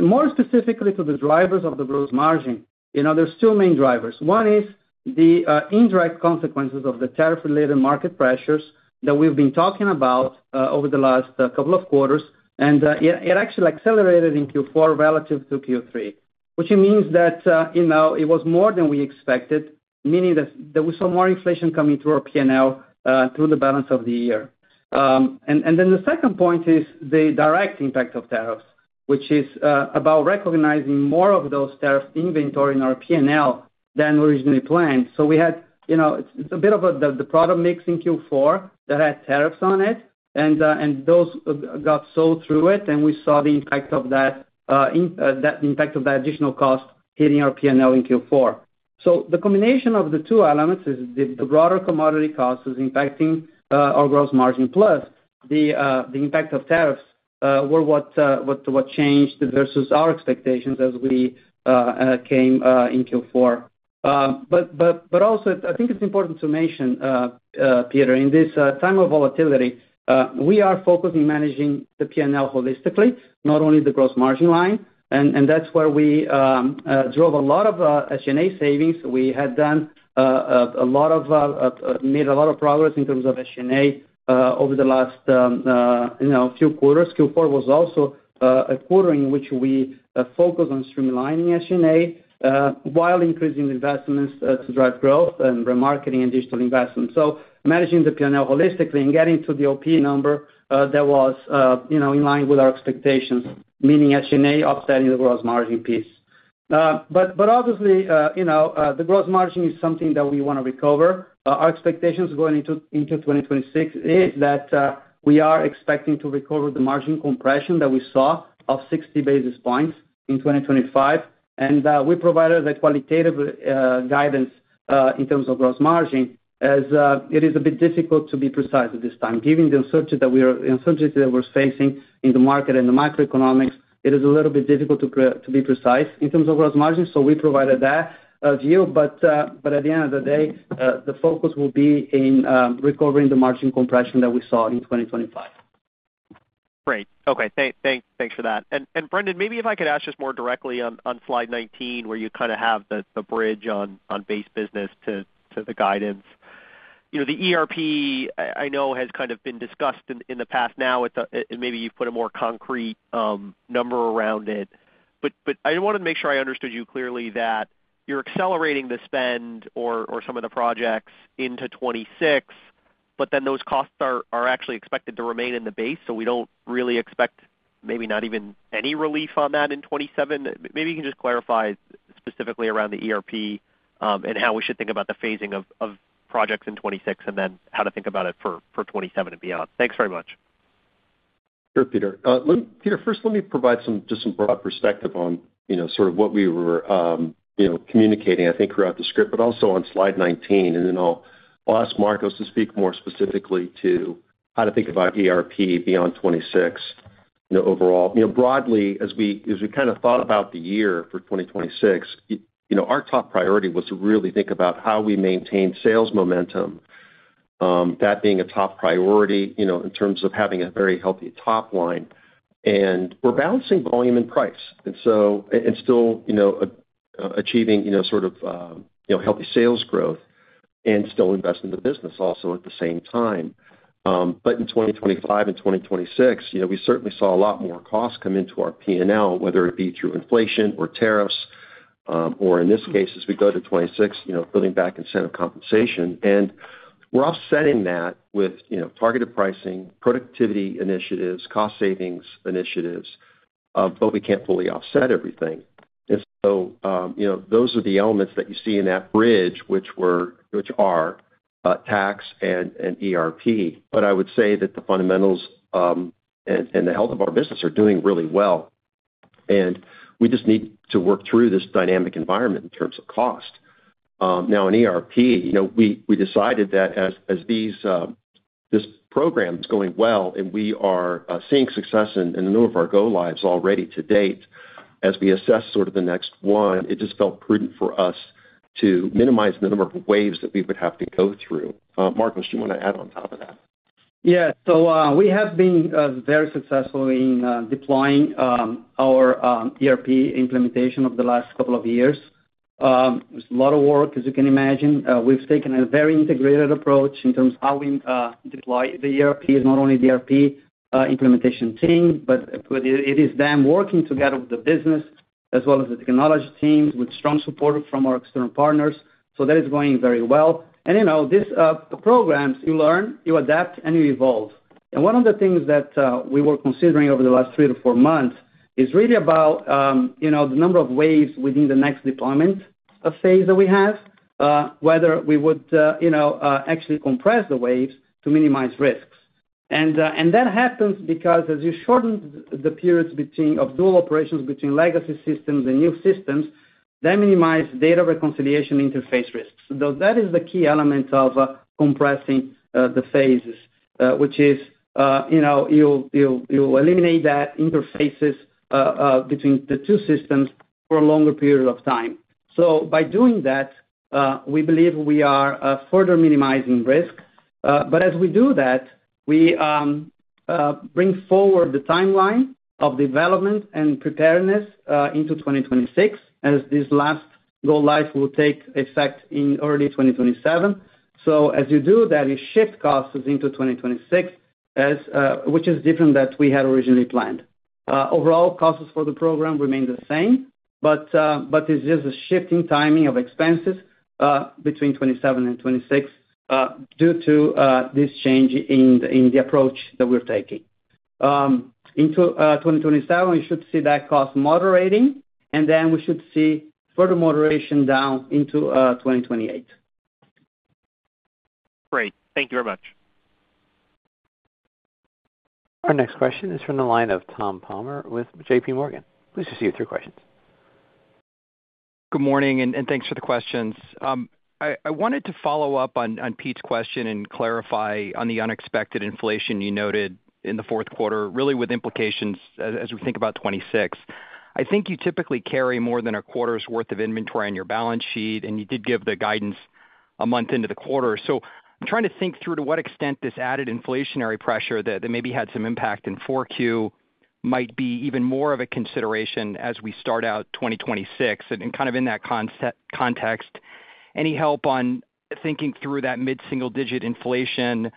More specifically to the drivers of the gross margin, there are two main drivers. One is the indirect consequences of the tariff-related market pressures that we've been talking about over the last couple of quarters, and it actually accelerated in Q4 relative to Q3, which means that it was more than we expected, meaning that we saw more inflation coming through our P&L through the balance of the year, and then the second point is the direct impact of tariffs, which is about recognizing more of those tariff inventory in our P&L than originally planned. So we had. It's a bit of the product mix in Q4 that had tariffs on it, and those got sold through it, and we saw the impact of that, the impact of that additional cost hitting our P&L in Q4. So the combination of the two elements is the broader commodity costs is impacting our gross margin, plus the impact of tariffs were what changed versus our expectations as we came in Q4. But also, I think it's important to mention, Peter, in this time of volatility, we are focusing on managing the P&L holistically, not only the gross margin line. And that's where we drove a lot of SG&A savings. We had made a lot of progress in terms of SG&A over the last few quarters. Q4 was also a quarter in which we focused on streamlining SG&A while increasing investments to drive growth and remarketing and digital investments. So managing the P&L holistically and getting to the OP number that was in line with our expectations, meaning SG&A offsetting the gross margin piece. But obviously, the gross margin is something that we want to recover. Our expectations going into 2026 is that we are expecting to recover the margin compression that we saw of 60 basis points in 2025. We provided the qualitative guidance in terms of gross margin as it is a bit difficult to be precise at this time, given the uncertainty that we're facing in the market and the macroeconomics. It is a little bit difficult to be precise in terms of gross margin, so we provided that view. But at the end of the day, the focus will be in recovering the margin compression that we saw in 2025. Great. Okay. Thanks for that. And Brendan, maybe if I could ask just more directly on slide 19, where you kind of have the bridge on base business to the guidance. The ERP, I know, has kind of been discussed in the past now, and maybe you've put a more concrete number around it. But I wanted to make sure I understood you clearly that you're accelerating the spend or some of the projects into 2026, but then those costs are actually expected to remain in the base, so we don't really expect maybe not even any relief on that in 2027. Maybe you can just clarify specifically around the ERP and how we should think about the phasing of projects in 2026 and then how to think about it for 2027 and beyond? Thanks very much. Sure, Peter. Peter, first, let me provide just some broad perspective on sort of what we were communicating, I think, throughout the script, but also on slide 19, and then I'll ask Marcos to speak more specifically to how to think about ERP beyond 2026 overall. Broadly, as we kind of thought about the year for 2026, our top priority was to really think about how we maintain sales momentum, that being a top priority in terms of having a very healthy top line, and we're balancing volume and price and still achieving sort of healthy sales growth and still invest in the business also at the same time. But in 2025 and 2026, we certainly saw a lot more costs come into our P&L, whether it be through inflation or tariffs or, in this case, as we go to 2026, building back incentive compensation. And we're offsetting that with targeted pricing, productivity initiatives, cost savings initiatives, but we can't fully offset everything. And so those are the elements that you see in that bridge, which are tax and ERP. But I would say that the fundamentals and the health of our business are doing really well. And we just need to work through this dynamic environment in terms of cost. Now, in ERP, we decided that as this program is going well and we are seeing success in a number of our go lives already to date, as we assess sort of the next one, it just felt prudent for us to minimize the number of waves that we would have to go through. Marcos, do you want to add on top of that? Yeah. So we have been very successful in deploying our ERP implementation over the last couple of years. There's a lot of work, as you can imagine. We've taken a very integrated approach in terms of how we deploy the ERP, not only the ERP implementation team, but it is them working together with the business as well as the technology teams with strong support from our external partners. So that is going very well. And these programs, you learn, you adapt, and you evolve. And one of the things that we were considering over the last three to four months is really about the number of waves within the next deployment phase that we have, whether we would actually compress the waves to minimize risks. And that happens because as you shorten the periods of dual operations between legacy systems and new systems, that minimizes data reconciliation interface risks. So that is the key element of compressing the phases, which is you'll eliminate that interfaces between the two systems for a longer period of time. So by doing that, we believe we are further minimizing risk. But as we do that, we bring forward the timeline of development and preparedness into 2026 as this last go live will take effect in early 2027. So as you do that, you shift costs into 2026, which is different than we had originally planned. Overall, costs for the program remain the same, but it's just a shift in timing of expenses between 2027 and 2026 due to this change in the approach that we're taking. Into 2027, we should see that cost moderating, and then we should see further moderation down into 2028. Great. Thank you very much. Our next question is from the line of Tom Palmer with JPMorgan. Please proceed with your questions. Good morning, and thanks for the questions. I wanted to follow up on Pete's question and clarify on the unexpected inflation you noted in the fourth quarter, really with implications as we think about 2026. I think you typically carry more than a quarter's worth of inventory on your balance sheet, and you did give the guidance a month into the quarter. I'm trying to think through to what extent this added inflationary pressure that maybe had some impact in 4Q might be even more of a consideration as we start out 2026. And kind of in that context, any help on thinking through that mid-single-digit inflation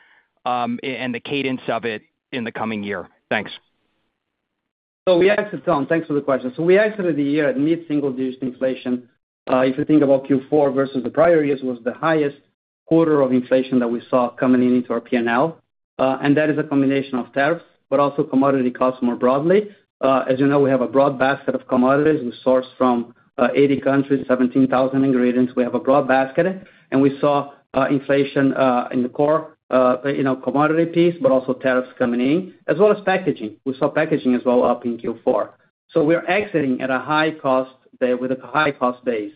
and the cadence of it in the coming year? Thanks. We answered Tom. Thanks for the question. We answered it a year at mid-single-digit inflation. If you think about Q4 versus the prior years, it was the highest quarter of inflation that we saw coming into our P&L. And that is a combination of tariffs, but also commodity costs more broadly. As you know, we have a broad basket of commodities. We sourced from 80 countries, 17,000 ingredients. We have a broad basket, and we saw inflation in the core commodity piece, but also tariffs coming in, as well as packaging. We saw packaging as well up in Q4. So we're exiting at a high cost with a high cost base.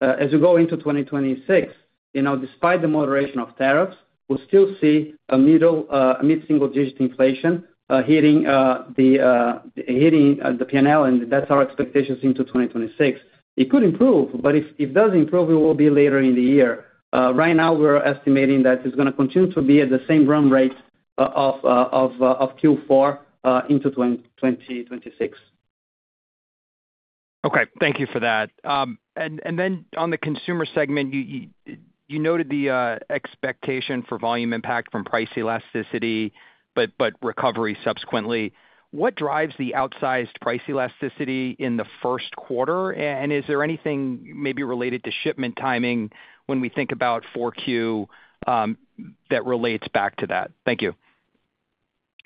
As we go into 2026, despite the moderation of tariffs, we'll still see a mid-single-digit inflation hitting the P&L, and that's our expectations into 2026. It could improve, but if it does improve, it will be later in the year. Right now, we're estimating that it's going to continue to be at the same run rate of Q4 into 2026. Okay. Thank you for that. And then on the consumer segment, you noted the expectation for volume impact from price elasticity, but recovery subsequently. What drives the outsized price elasticity in the first quarter? And is there anything maybe related to shipment timing when we think about 4Q that relates back to that? Thank you.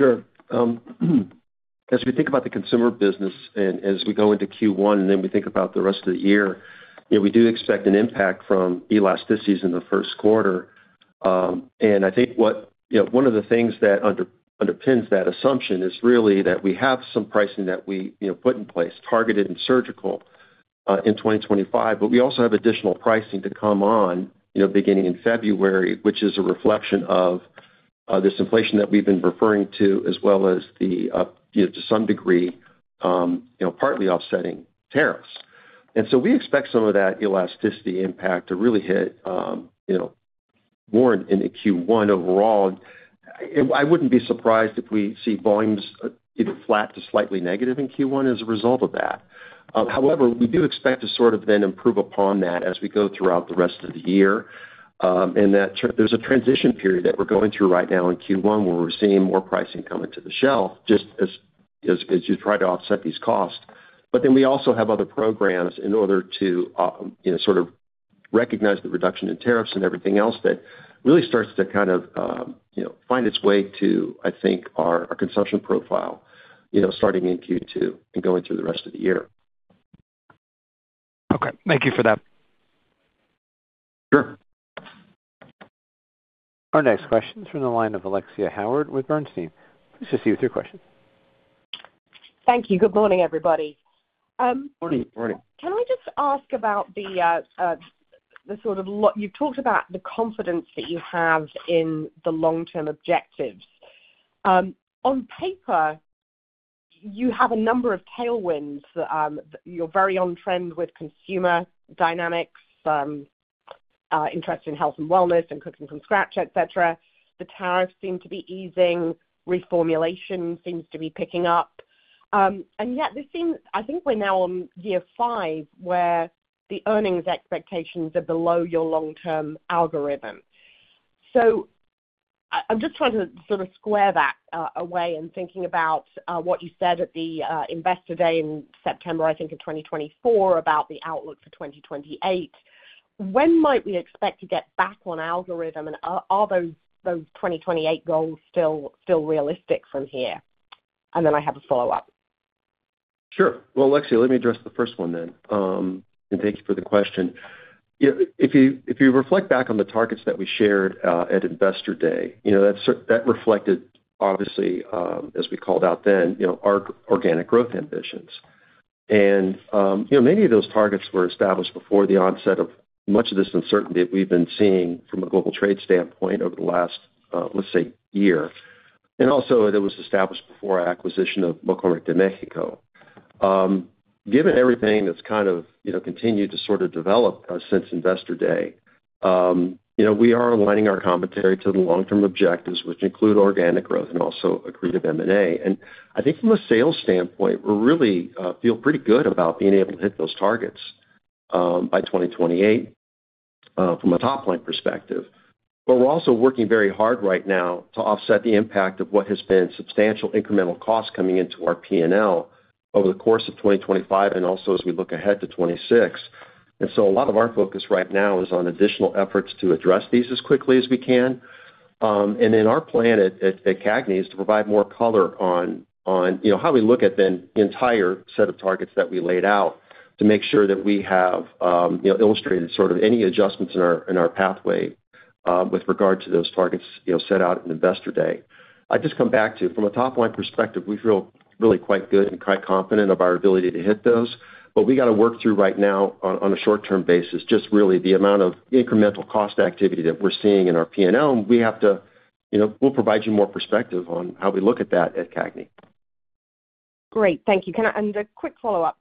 Sure. As we think about the consumer business and as we go into Q1 and then we think about the rest of the year, we do expect an impact from elasticities in the first quarter, and I think one of the things that underpins that assumption is really that we have some pricing that we put in place, targeted and surgical in 2025, but we also have additional pricing to come on beginning in February, which is a reflection of this inflation that we've been referring to, as well as the, to some degree, partly offsetting tariffs, and so we expect some of that elasticity impact to really hit more in Q1 overall. I wouldn't be surprised if we see volumes either flat to slightly negative in Q1 as a result of that. However, we do expect to sort of then improve upon that as we go throughout the rest of the year. And there's a transition period that we're going through right now in Q1 where we're seeing more pricing come into the shelf just as you try to offset these costs. But then we also have other programs in order to sort of recognize the reduction in tariffs and everything else that really starts to kind of find its way to, I think, our consumption profile starting in Q2 and going through the rest of the year. Okay. Thank you for that. Sure. Our next question is from the line of Alexia Howard with Bernstein. Please proceed with your question. Thank you. Good morning, everybody. Good morning. Good morning. Can I just ask about the sort of, you've talked about the confidence that you have in the long-term objectives. On paper, you have a number of tailwinds. You're very on trend with consumer dynamics, interest in health and wellness, and cooking from scratch, etc. The tariffs seem to be easing. Reformulation seems to be picking up. And yet, I think we're now on year five where the earnings expectations are below your long-term algorithm. So I'm just trying to sort of square that away and thinking about what you said at the investor day in September, I think, of 2024, about the outlook for 2028. When might we expect to get back on algorithm? And are those 2028 goals still realistic from here? And then I have a follow-up. Sure. Well, Alexia, let me address the first one then. And thank you for the question. If you reflect back on the targets that we shared at investor day, that reflected, obviously, as we called out then, our organic growth ambitions, and many of those targets were established before the onset of much of this uncertainty that we've been seeing from a global trade standpoint over the last, let's say, year, and also, it was established before acquisition of McCormick, Jamaica. Given everything that's kind of continued to sort of develop since investor day, we are aligning our commentary to the long-term objectives, which include organic growth and also accretive M&A, and I think from a sales standpoint, we really feel pretty good about being able to hit those targets by 2028 from a top-line perspective. But we're also working very hard right now to offset the impact of what has been substantial incremental costs coming into our P&L over the course of 2025 and also as we look ahead to 2026. And so a lot of our focus right now is on additional efforts to address these as quickly as we can. And then our plan at CAGNY is to provide more color on how we look at the entire set of targets that we laid out to make sure that we have illustrated sort of any adjustments in our pathway with regard to those targets set out at Investor Day. I just come back to, from a top-line perspective, we feel really quite good and quite confident of our ability to hit those. But we got to work through right now on a short-term basis, just really the amount of incremental cost activity that we're seeing in our P&L. And we have to. We'll provide you more perspective on how we look at that at CAGNY. Great. Thank you. And a quick follow-up.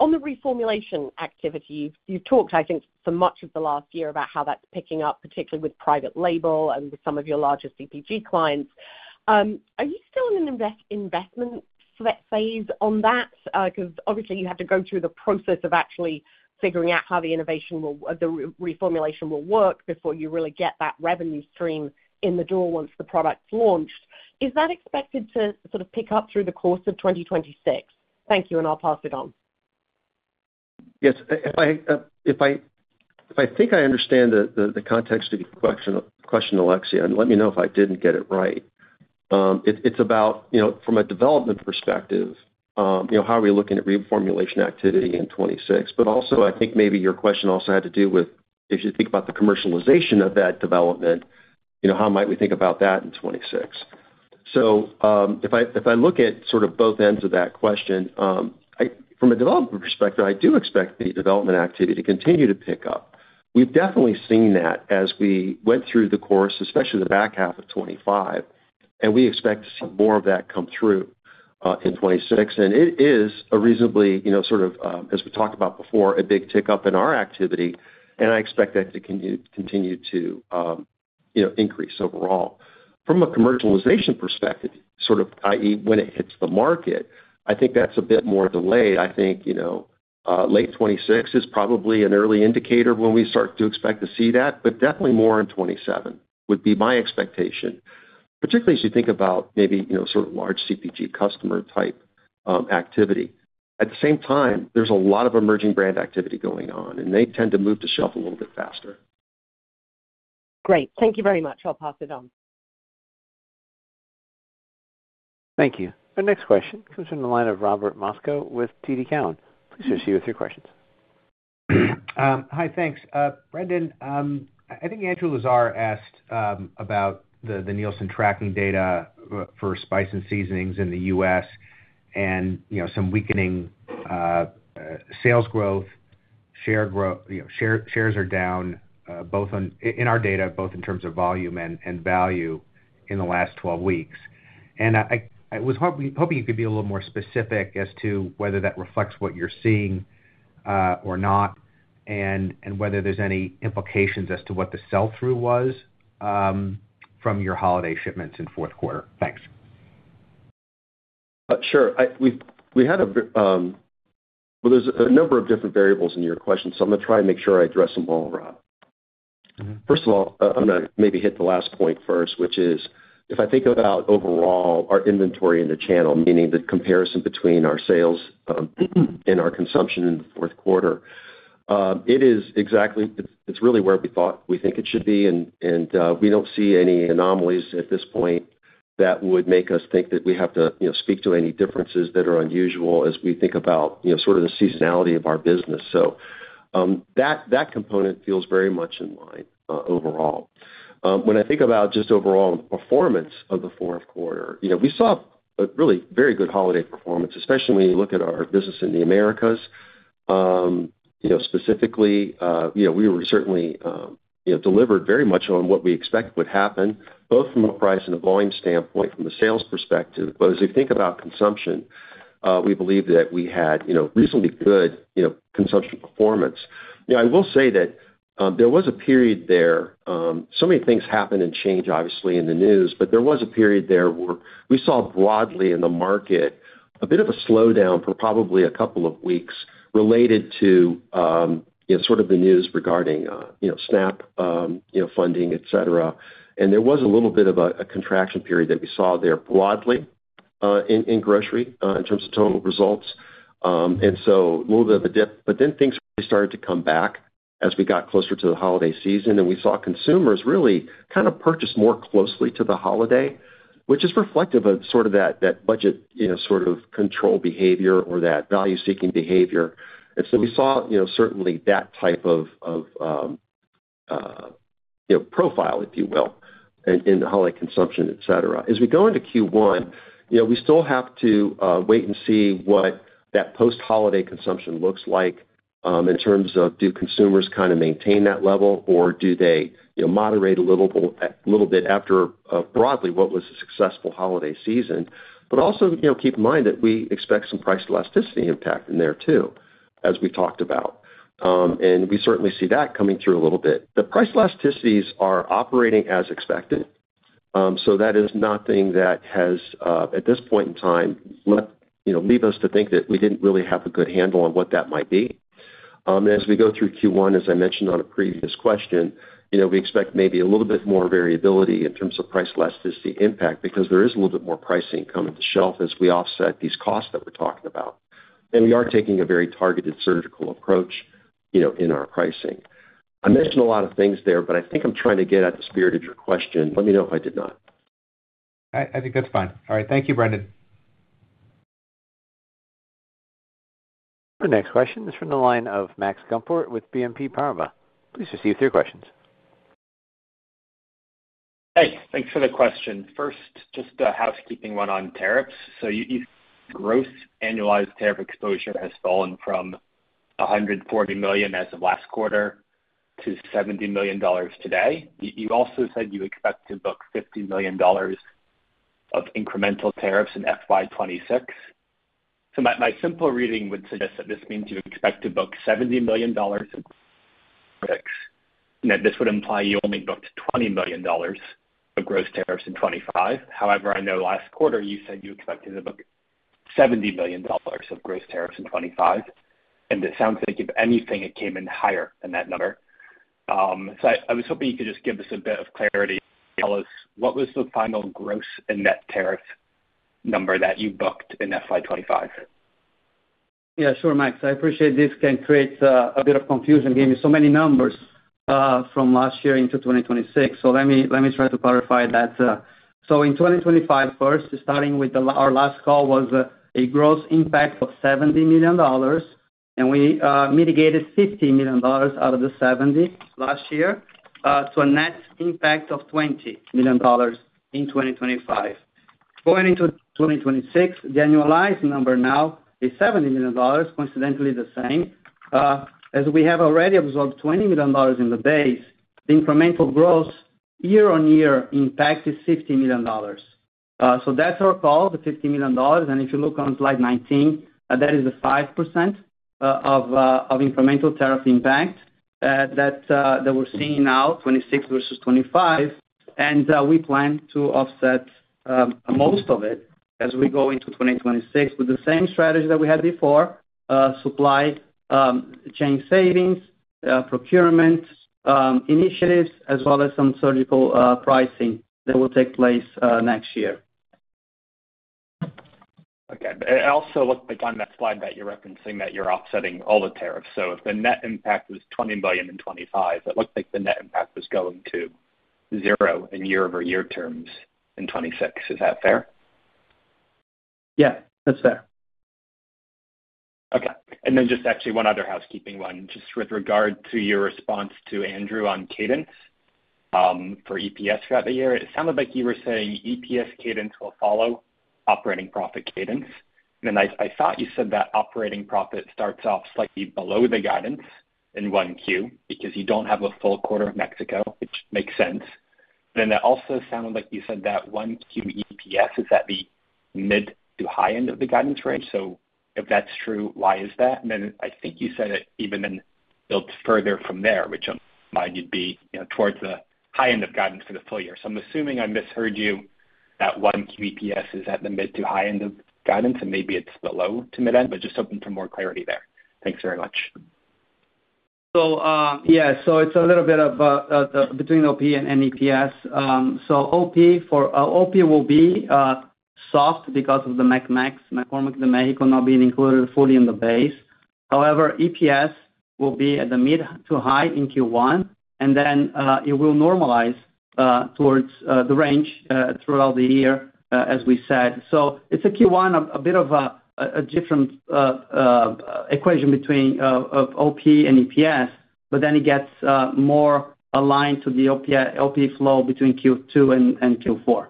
On the reformulation activity, you've talked, I think, for much of the last year about how that's picking up, particularly with private label and with some of your largest CPG clients. Are you still in an investment phase on that? Because obviously, you have to go through the process of actually figuring out how the innovation will, the reformulation will work before you really get that revenue stream in the door once the product's launched. Is that expected to sort of pick up through the course of 2026? Thank you, and I'll pass it on. Yes. I think I understand the context of your question, Alexia. Let me know if I didn't get it right. It's about, from a development perspective, how are we looking at reformulation activity in 2026? But also, I think maybe your question also had to do with, if you think about the commercialization of that development, how might we think about that in 2026? If I look at sort of both ends of that question, from a development perspective, I do expect the development activity to continue to pick up. We've definitely seen that as we went through the course, especially the back half of 2025, and we expect to see more of that come through in 2026. It is a reasonably sort of, as we talked about before, a big tick up in our activity. I expect that to continue to increase overall. From a commercialization perspective, sort of, i.e., when it hits the market, I think that's a bit more delayed. I think late 2026 is probably an early indicator when we start to expect to see that, but definitely more in 2027 would be my expectation, particularly as you think about maybe sort of large CPG customer-type activity. At the same time, there's a lot of emerging brand activity going on, and they tend to move to shelf a little bit faster. Great. Thank you very much. I'll pass it on. Thank you. Our next question comes from the line of Robert Moskow with TD Cowen. Please proceed with your questions. Hi, thanks. Brendan, I think Andrew Lazar asked about the Nielsen tracking data for spice and seasonings in the U.S. and some weakening sales growth. Shares are down in our data, both in terms of volume and value in the last 12 weeks. I was hoping you could be a little more specific as to whether that reflects what you're seeing or not and whether there's any implications as to what the sell-through was from your holiday shipments in fourth quarter. Thanks. Sure. Well, there's a number of different variables in your questions, so I'm going to try and make sure I address them all, Rob. First of all, I'm going to maybe hit the last point first, which is, if I think about overall our inventory in the channel, meaning the comparison between our sales and our consumption in the fourth quarter, it is exactly. It's really where we think it should be. We don't see any anomalies at this point that would make us think that we have to speak to any differences that are unusual as we think about sort of the seasonality of our business. That component feels very much in line overall. When I think about just overall performance of the fourth quarter, we saw really very good holiday performance, especially when you look at our business in the Americas. Specifically, we certainly delivered very much on what we expect would happen, both from a price and a volume standpoint from the sales perspective. As we think about consumption, we believe that we had reasonably good consumption performance. I will say that there was a period there, so many things happen and change, obviously, in the news, but there was a period there where we saw broadly in the market a bit of a slowdown for probably a couple of weeks related to sort of the news regarding SNAP funding, etc., and there was a little bit of a contraction period that we saw there broadly in grocery in terms of total results, and so a little bit of a dip, but then things really started to come back as we got closer to the holiday season, and we saw consumers really kind of purchase more closely to the holiday, which is reflective of sort of that budget sort of control behavior or that value-seeking behavior, and so we saw certainly that type of profile, if you will, in the holiday consumption, etc. As we go into Q1, we still have to wait and see what that post-holiday consumption looks like in terms of, do consumers kind of maintain that level, or do they moderate a little bit after broadly what was a successful holiday season? But also keep in mind that we expect some price elasticity impact in there too, as we talked about. And we certainly see that coming through a little bit. The price elasticities are operating as expected. So that is nothing that has, at this point in time, led us to think that we didn't really have a good handle on what that might be. And as we go through Q1, as I mentioned on a previous question, we expect maybe a little bit more variability in terms of price elasticity impact because there is a little bit more pricing coming to shelf as we offset these costs that we're talking about. And we are taking a very targeted surgical approach in our pricing. I mentioned a lot of things there, but I think I'm trying to get at the spirit of your question. Let me know if I did not. I think that's fine. All right. Thank you, Brendan. Our next question is from the line of Max Gumport with BNP Paribas. Please proceed with your questions. Hey. Thanks for the question. First, just a housekeeping one on tariffs. So you said gross annualized tariff exposure has fallen from $140 million as of last quarter to $70 million today. You also said you expect to book $50 million of incremental tariffs in FY 2026. So my simple reading would suggest that this means you expect to book $70 million in 2026, and that this would imply you only booked $20 million of gross tariffs in 2025. However, I know last quarter you said you expected to book $70 million of gross tariffs in 2025, and it sounds like, if anything, it came in higher than that number, so I was hoping you could just give us a bit of clarity. Tell us, what was the final gross and net tariff number that you booked in FY 2025? Yeah. Sure, Max. I appreciate this can create a bit of confusion. Gave me so many numbers from last year into 2026, so let me try to clarify that. So in 2025, first, starting with our last call, was a gross impact of $70 million. And we mitigated $50 million out of the 70 last year to a net impact of $20 million in 2025. Going into 2026, the annualized number now is $70 million, coincidentally the same. As we have already absorbed $20 million in the base, the incremental gross year-on-year impact is $50 million. So that's our call, the $50 million. And if you look on slide 19, that is the 5% of incremental tariff impact that we're seeing now, 2026 versus 2025. And we plan to offset most of it as we go into 2026 with the same strategy that we had before: supply chain savings, procurement initiatives, as well as some surgical pricing that will take place next year. Okay. Also, looking on that slide that you're referencing, that you're offsetting all the tariffs. So if the net impact was $20 million in 2025, it looks like the net impact was going to zero in year-over-year terms in 2026. Is that fair? Yeah. That's fair. Okay. And then just actually one other housekeeping one, just with regard to your response to Andrew on cadence for EPS throughout the year. It sounded like you were saying EPS cadence will follow operating profit cadence. And then I thought you said that operating profit starts off slightly below the guidance in one Q because you don't have a full quarter of Mexico, which makes sense. Then it also sounded like you said that one Q EPS is at the mid to high end of the guidance range. So if that's true, why is that? Then I think you said it even then built further from there, which I'm glad you'd be towards the high end of guidance for the full year. So I'm assuming I misheard you that one Q EPS is at the mid to high end of guidance, and maybe it's below to mid end, but just hoping for more clarity there. Thanks very much. So yeah, so it's a little bit of between OP and EPS. So OP will be soft because of the McCormick de Mexico not being included fully in the base. However, EPS will be at the mid to high in Q1, and then it will normalize towards the range throughout the year, as we said. So it's a Q1, a bit of a different equation between OP and EPS, but then it gets more aligned to the OP flow between Q2 and Q4.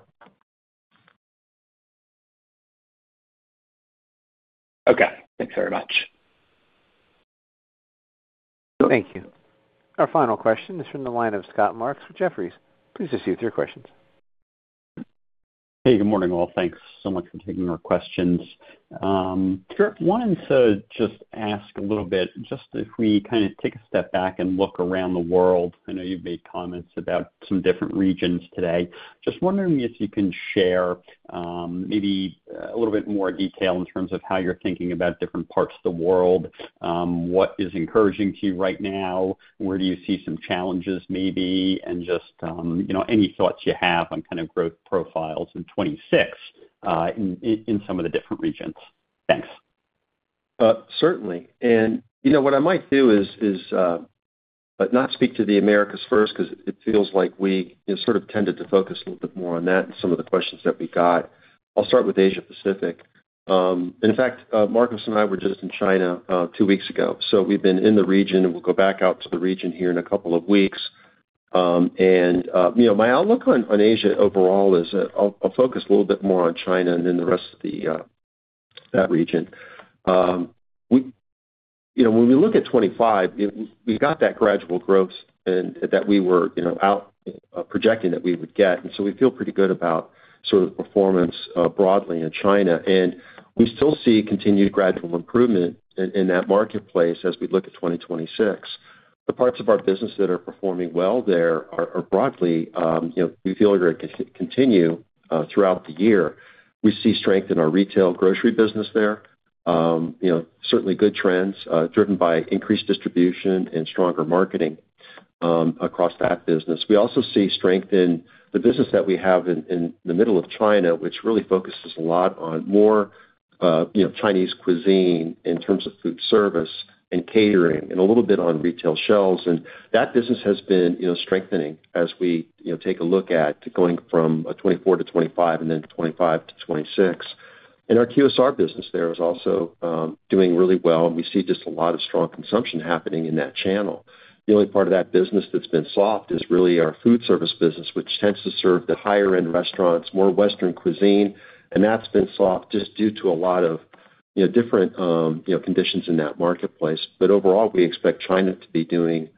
Okay. Thanks very much. Thank you. Our final question is from the line of Scott Marks with Jefferies. Please proceed with your questions. Hey, good morning, all. Thanks so much for taking our questions. Sure. Wanted to just ask a little bit, just if we kind of take a step back and look around the world. I know you've made comments about some different regions today. Just wondering if you can share maybe a little bit more detail in terms of how you're thinking about different parts of the world, what is encouraging to you right now, where do you see some challenges maybe, and just any thoughts you have on kind of growth profiles in '26 in some of the different regions. Thanks. Certainly. What I might do is not speak to the Americas first because it feels like we sort of tended to focus a little bit more on that and some of the questions that we got. I'll start with Asia-Pacific. In fact, Marcos and I were just in China two weeks ago. So we've been in the region, and we'll go back out to the region here in a couple of weeks. My outlook on Asia overall is I'll focus a little bit more on China and then the rest of that region. When we look at 2025, we got that gradual growth that we were projecting that we would get. We feel pretty good about sort of performance broadly in China. We still see continued gradual improvement in that marketplace as we look at 2026. The parts of our business that are performing well there are broadly we feel are going to continue throughout the year. We see strength in our retail grocery business there, certainly good trends driven by increased distribution and stronger marketing across that business. We also see strength in the business that we have in the middle of China, which really focuses a lot on more Chinese cuisine in terms of food service and catering and a little bit on retail shelves, and that business has been strengthening as we take a look at going from 2024 to 2025 and then 2025 to 2026, and our QSR business there is also doing really well. We see just a lot of strong consumption happening in that channel. The only part of that business that's been soft is really our food service business, which tends to serve the higher-end restaurants, more Western cuisine. That's been soft just due to a lot of different conditions in that marketplace. Overall, we expect China to be doing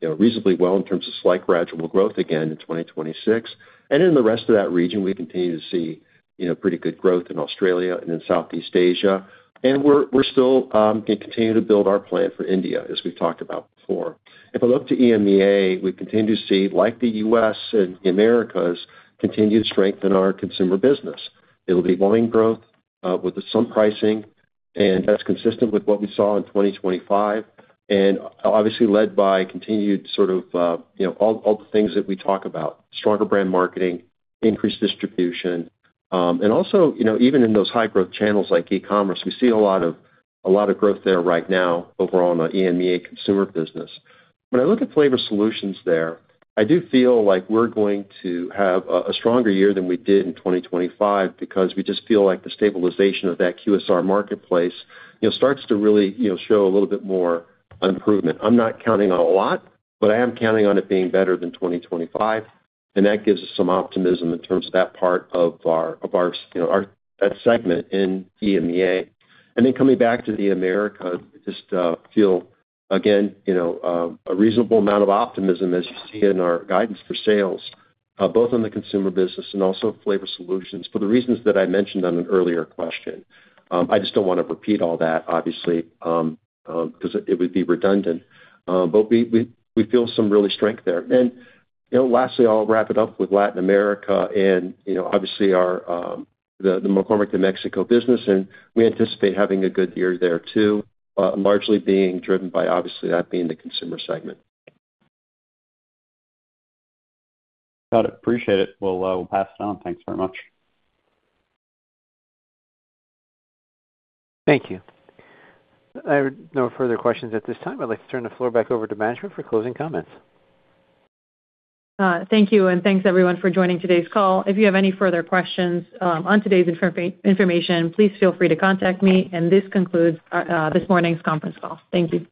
reasonably well in terms of slight gradual growth again in 2026. In the rest of that region, we continue to see pretty good growth in Australia and in Southeast Asia. We're still going to continue to build our plan for India, as we've talked about before. If I look to EMEA, we continue to see, like the U.S. and the Americas, continue to strengthen our consumer business. It'll be volume growth with some pricing, and that's consistent with what we saw in 2025, and obviously led by continued sort of all the things that we talk about: stronger brand marketing, increased distribution. And also, even in those high-growth channels like e-commerce, we see a lot of growth there right now overall in the EMEA consumer business. When I look at flavor solutions there, I do feel like we're going to have a stronger year than we did in 2025 because we just feel like the stabilization of that QSR marketplace starts to really show a little bit more improvement. I'm not counting on a lot, but I am counting on it being better than 2025. And that gives us some optimism in terms of that part of that segment in EMEA. And then coming back to the Americas, I just feel, again, a reasonable amount of optimism as you see in our guidance for sales, both on the consumer business and also flavor solutions for the reasons that I mentioned on an earlier question. I just don't want to repeat all that, obviously, because it would be redundant, but we feel some real strength there. And lastly, I'll wrap it up with Latin America and obviously the McCormick de Mexico business, and we anticipate having a good year there too, largely being driven by obviously that being the consumer segment. Got it. Appreciate it. We'll pass it on. Thanks very much. Thank you. No further questions at this time. I'd like to turn the floor back over to Management for closing comments. Thank you, and thanks, everyone, for joining today's call. If you have any further questions on today's information, please feel free to contact me, and this concludes this morning's conference call. Thank you.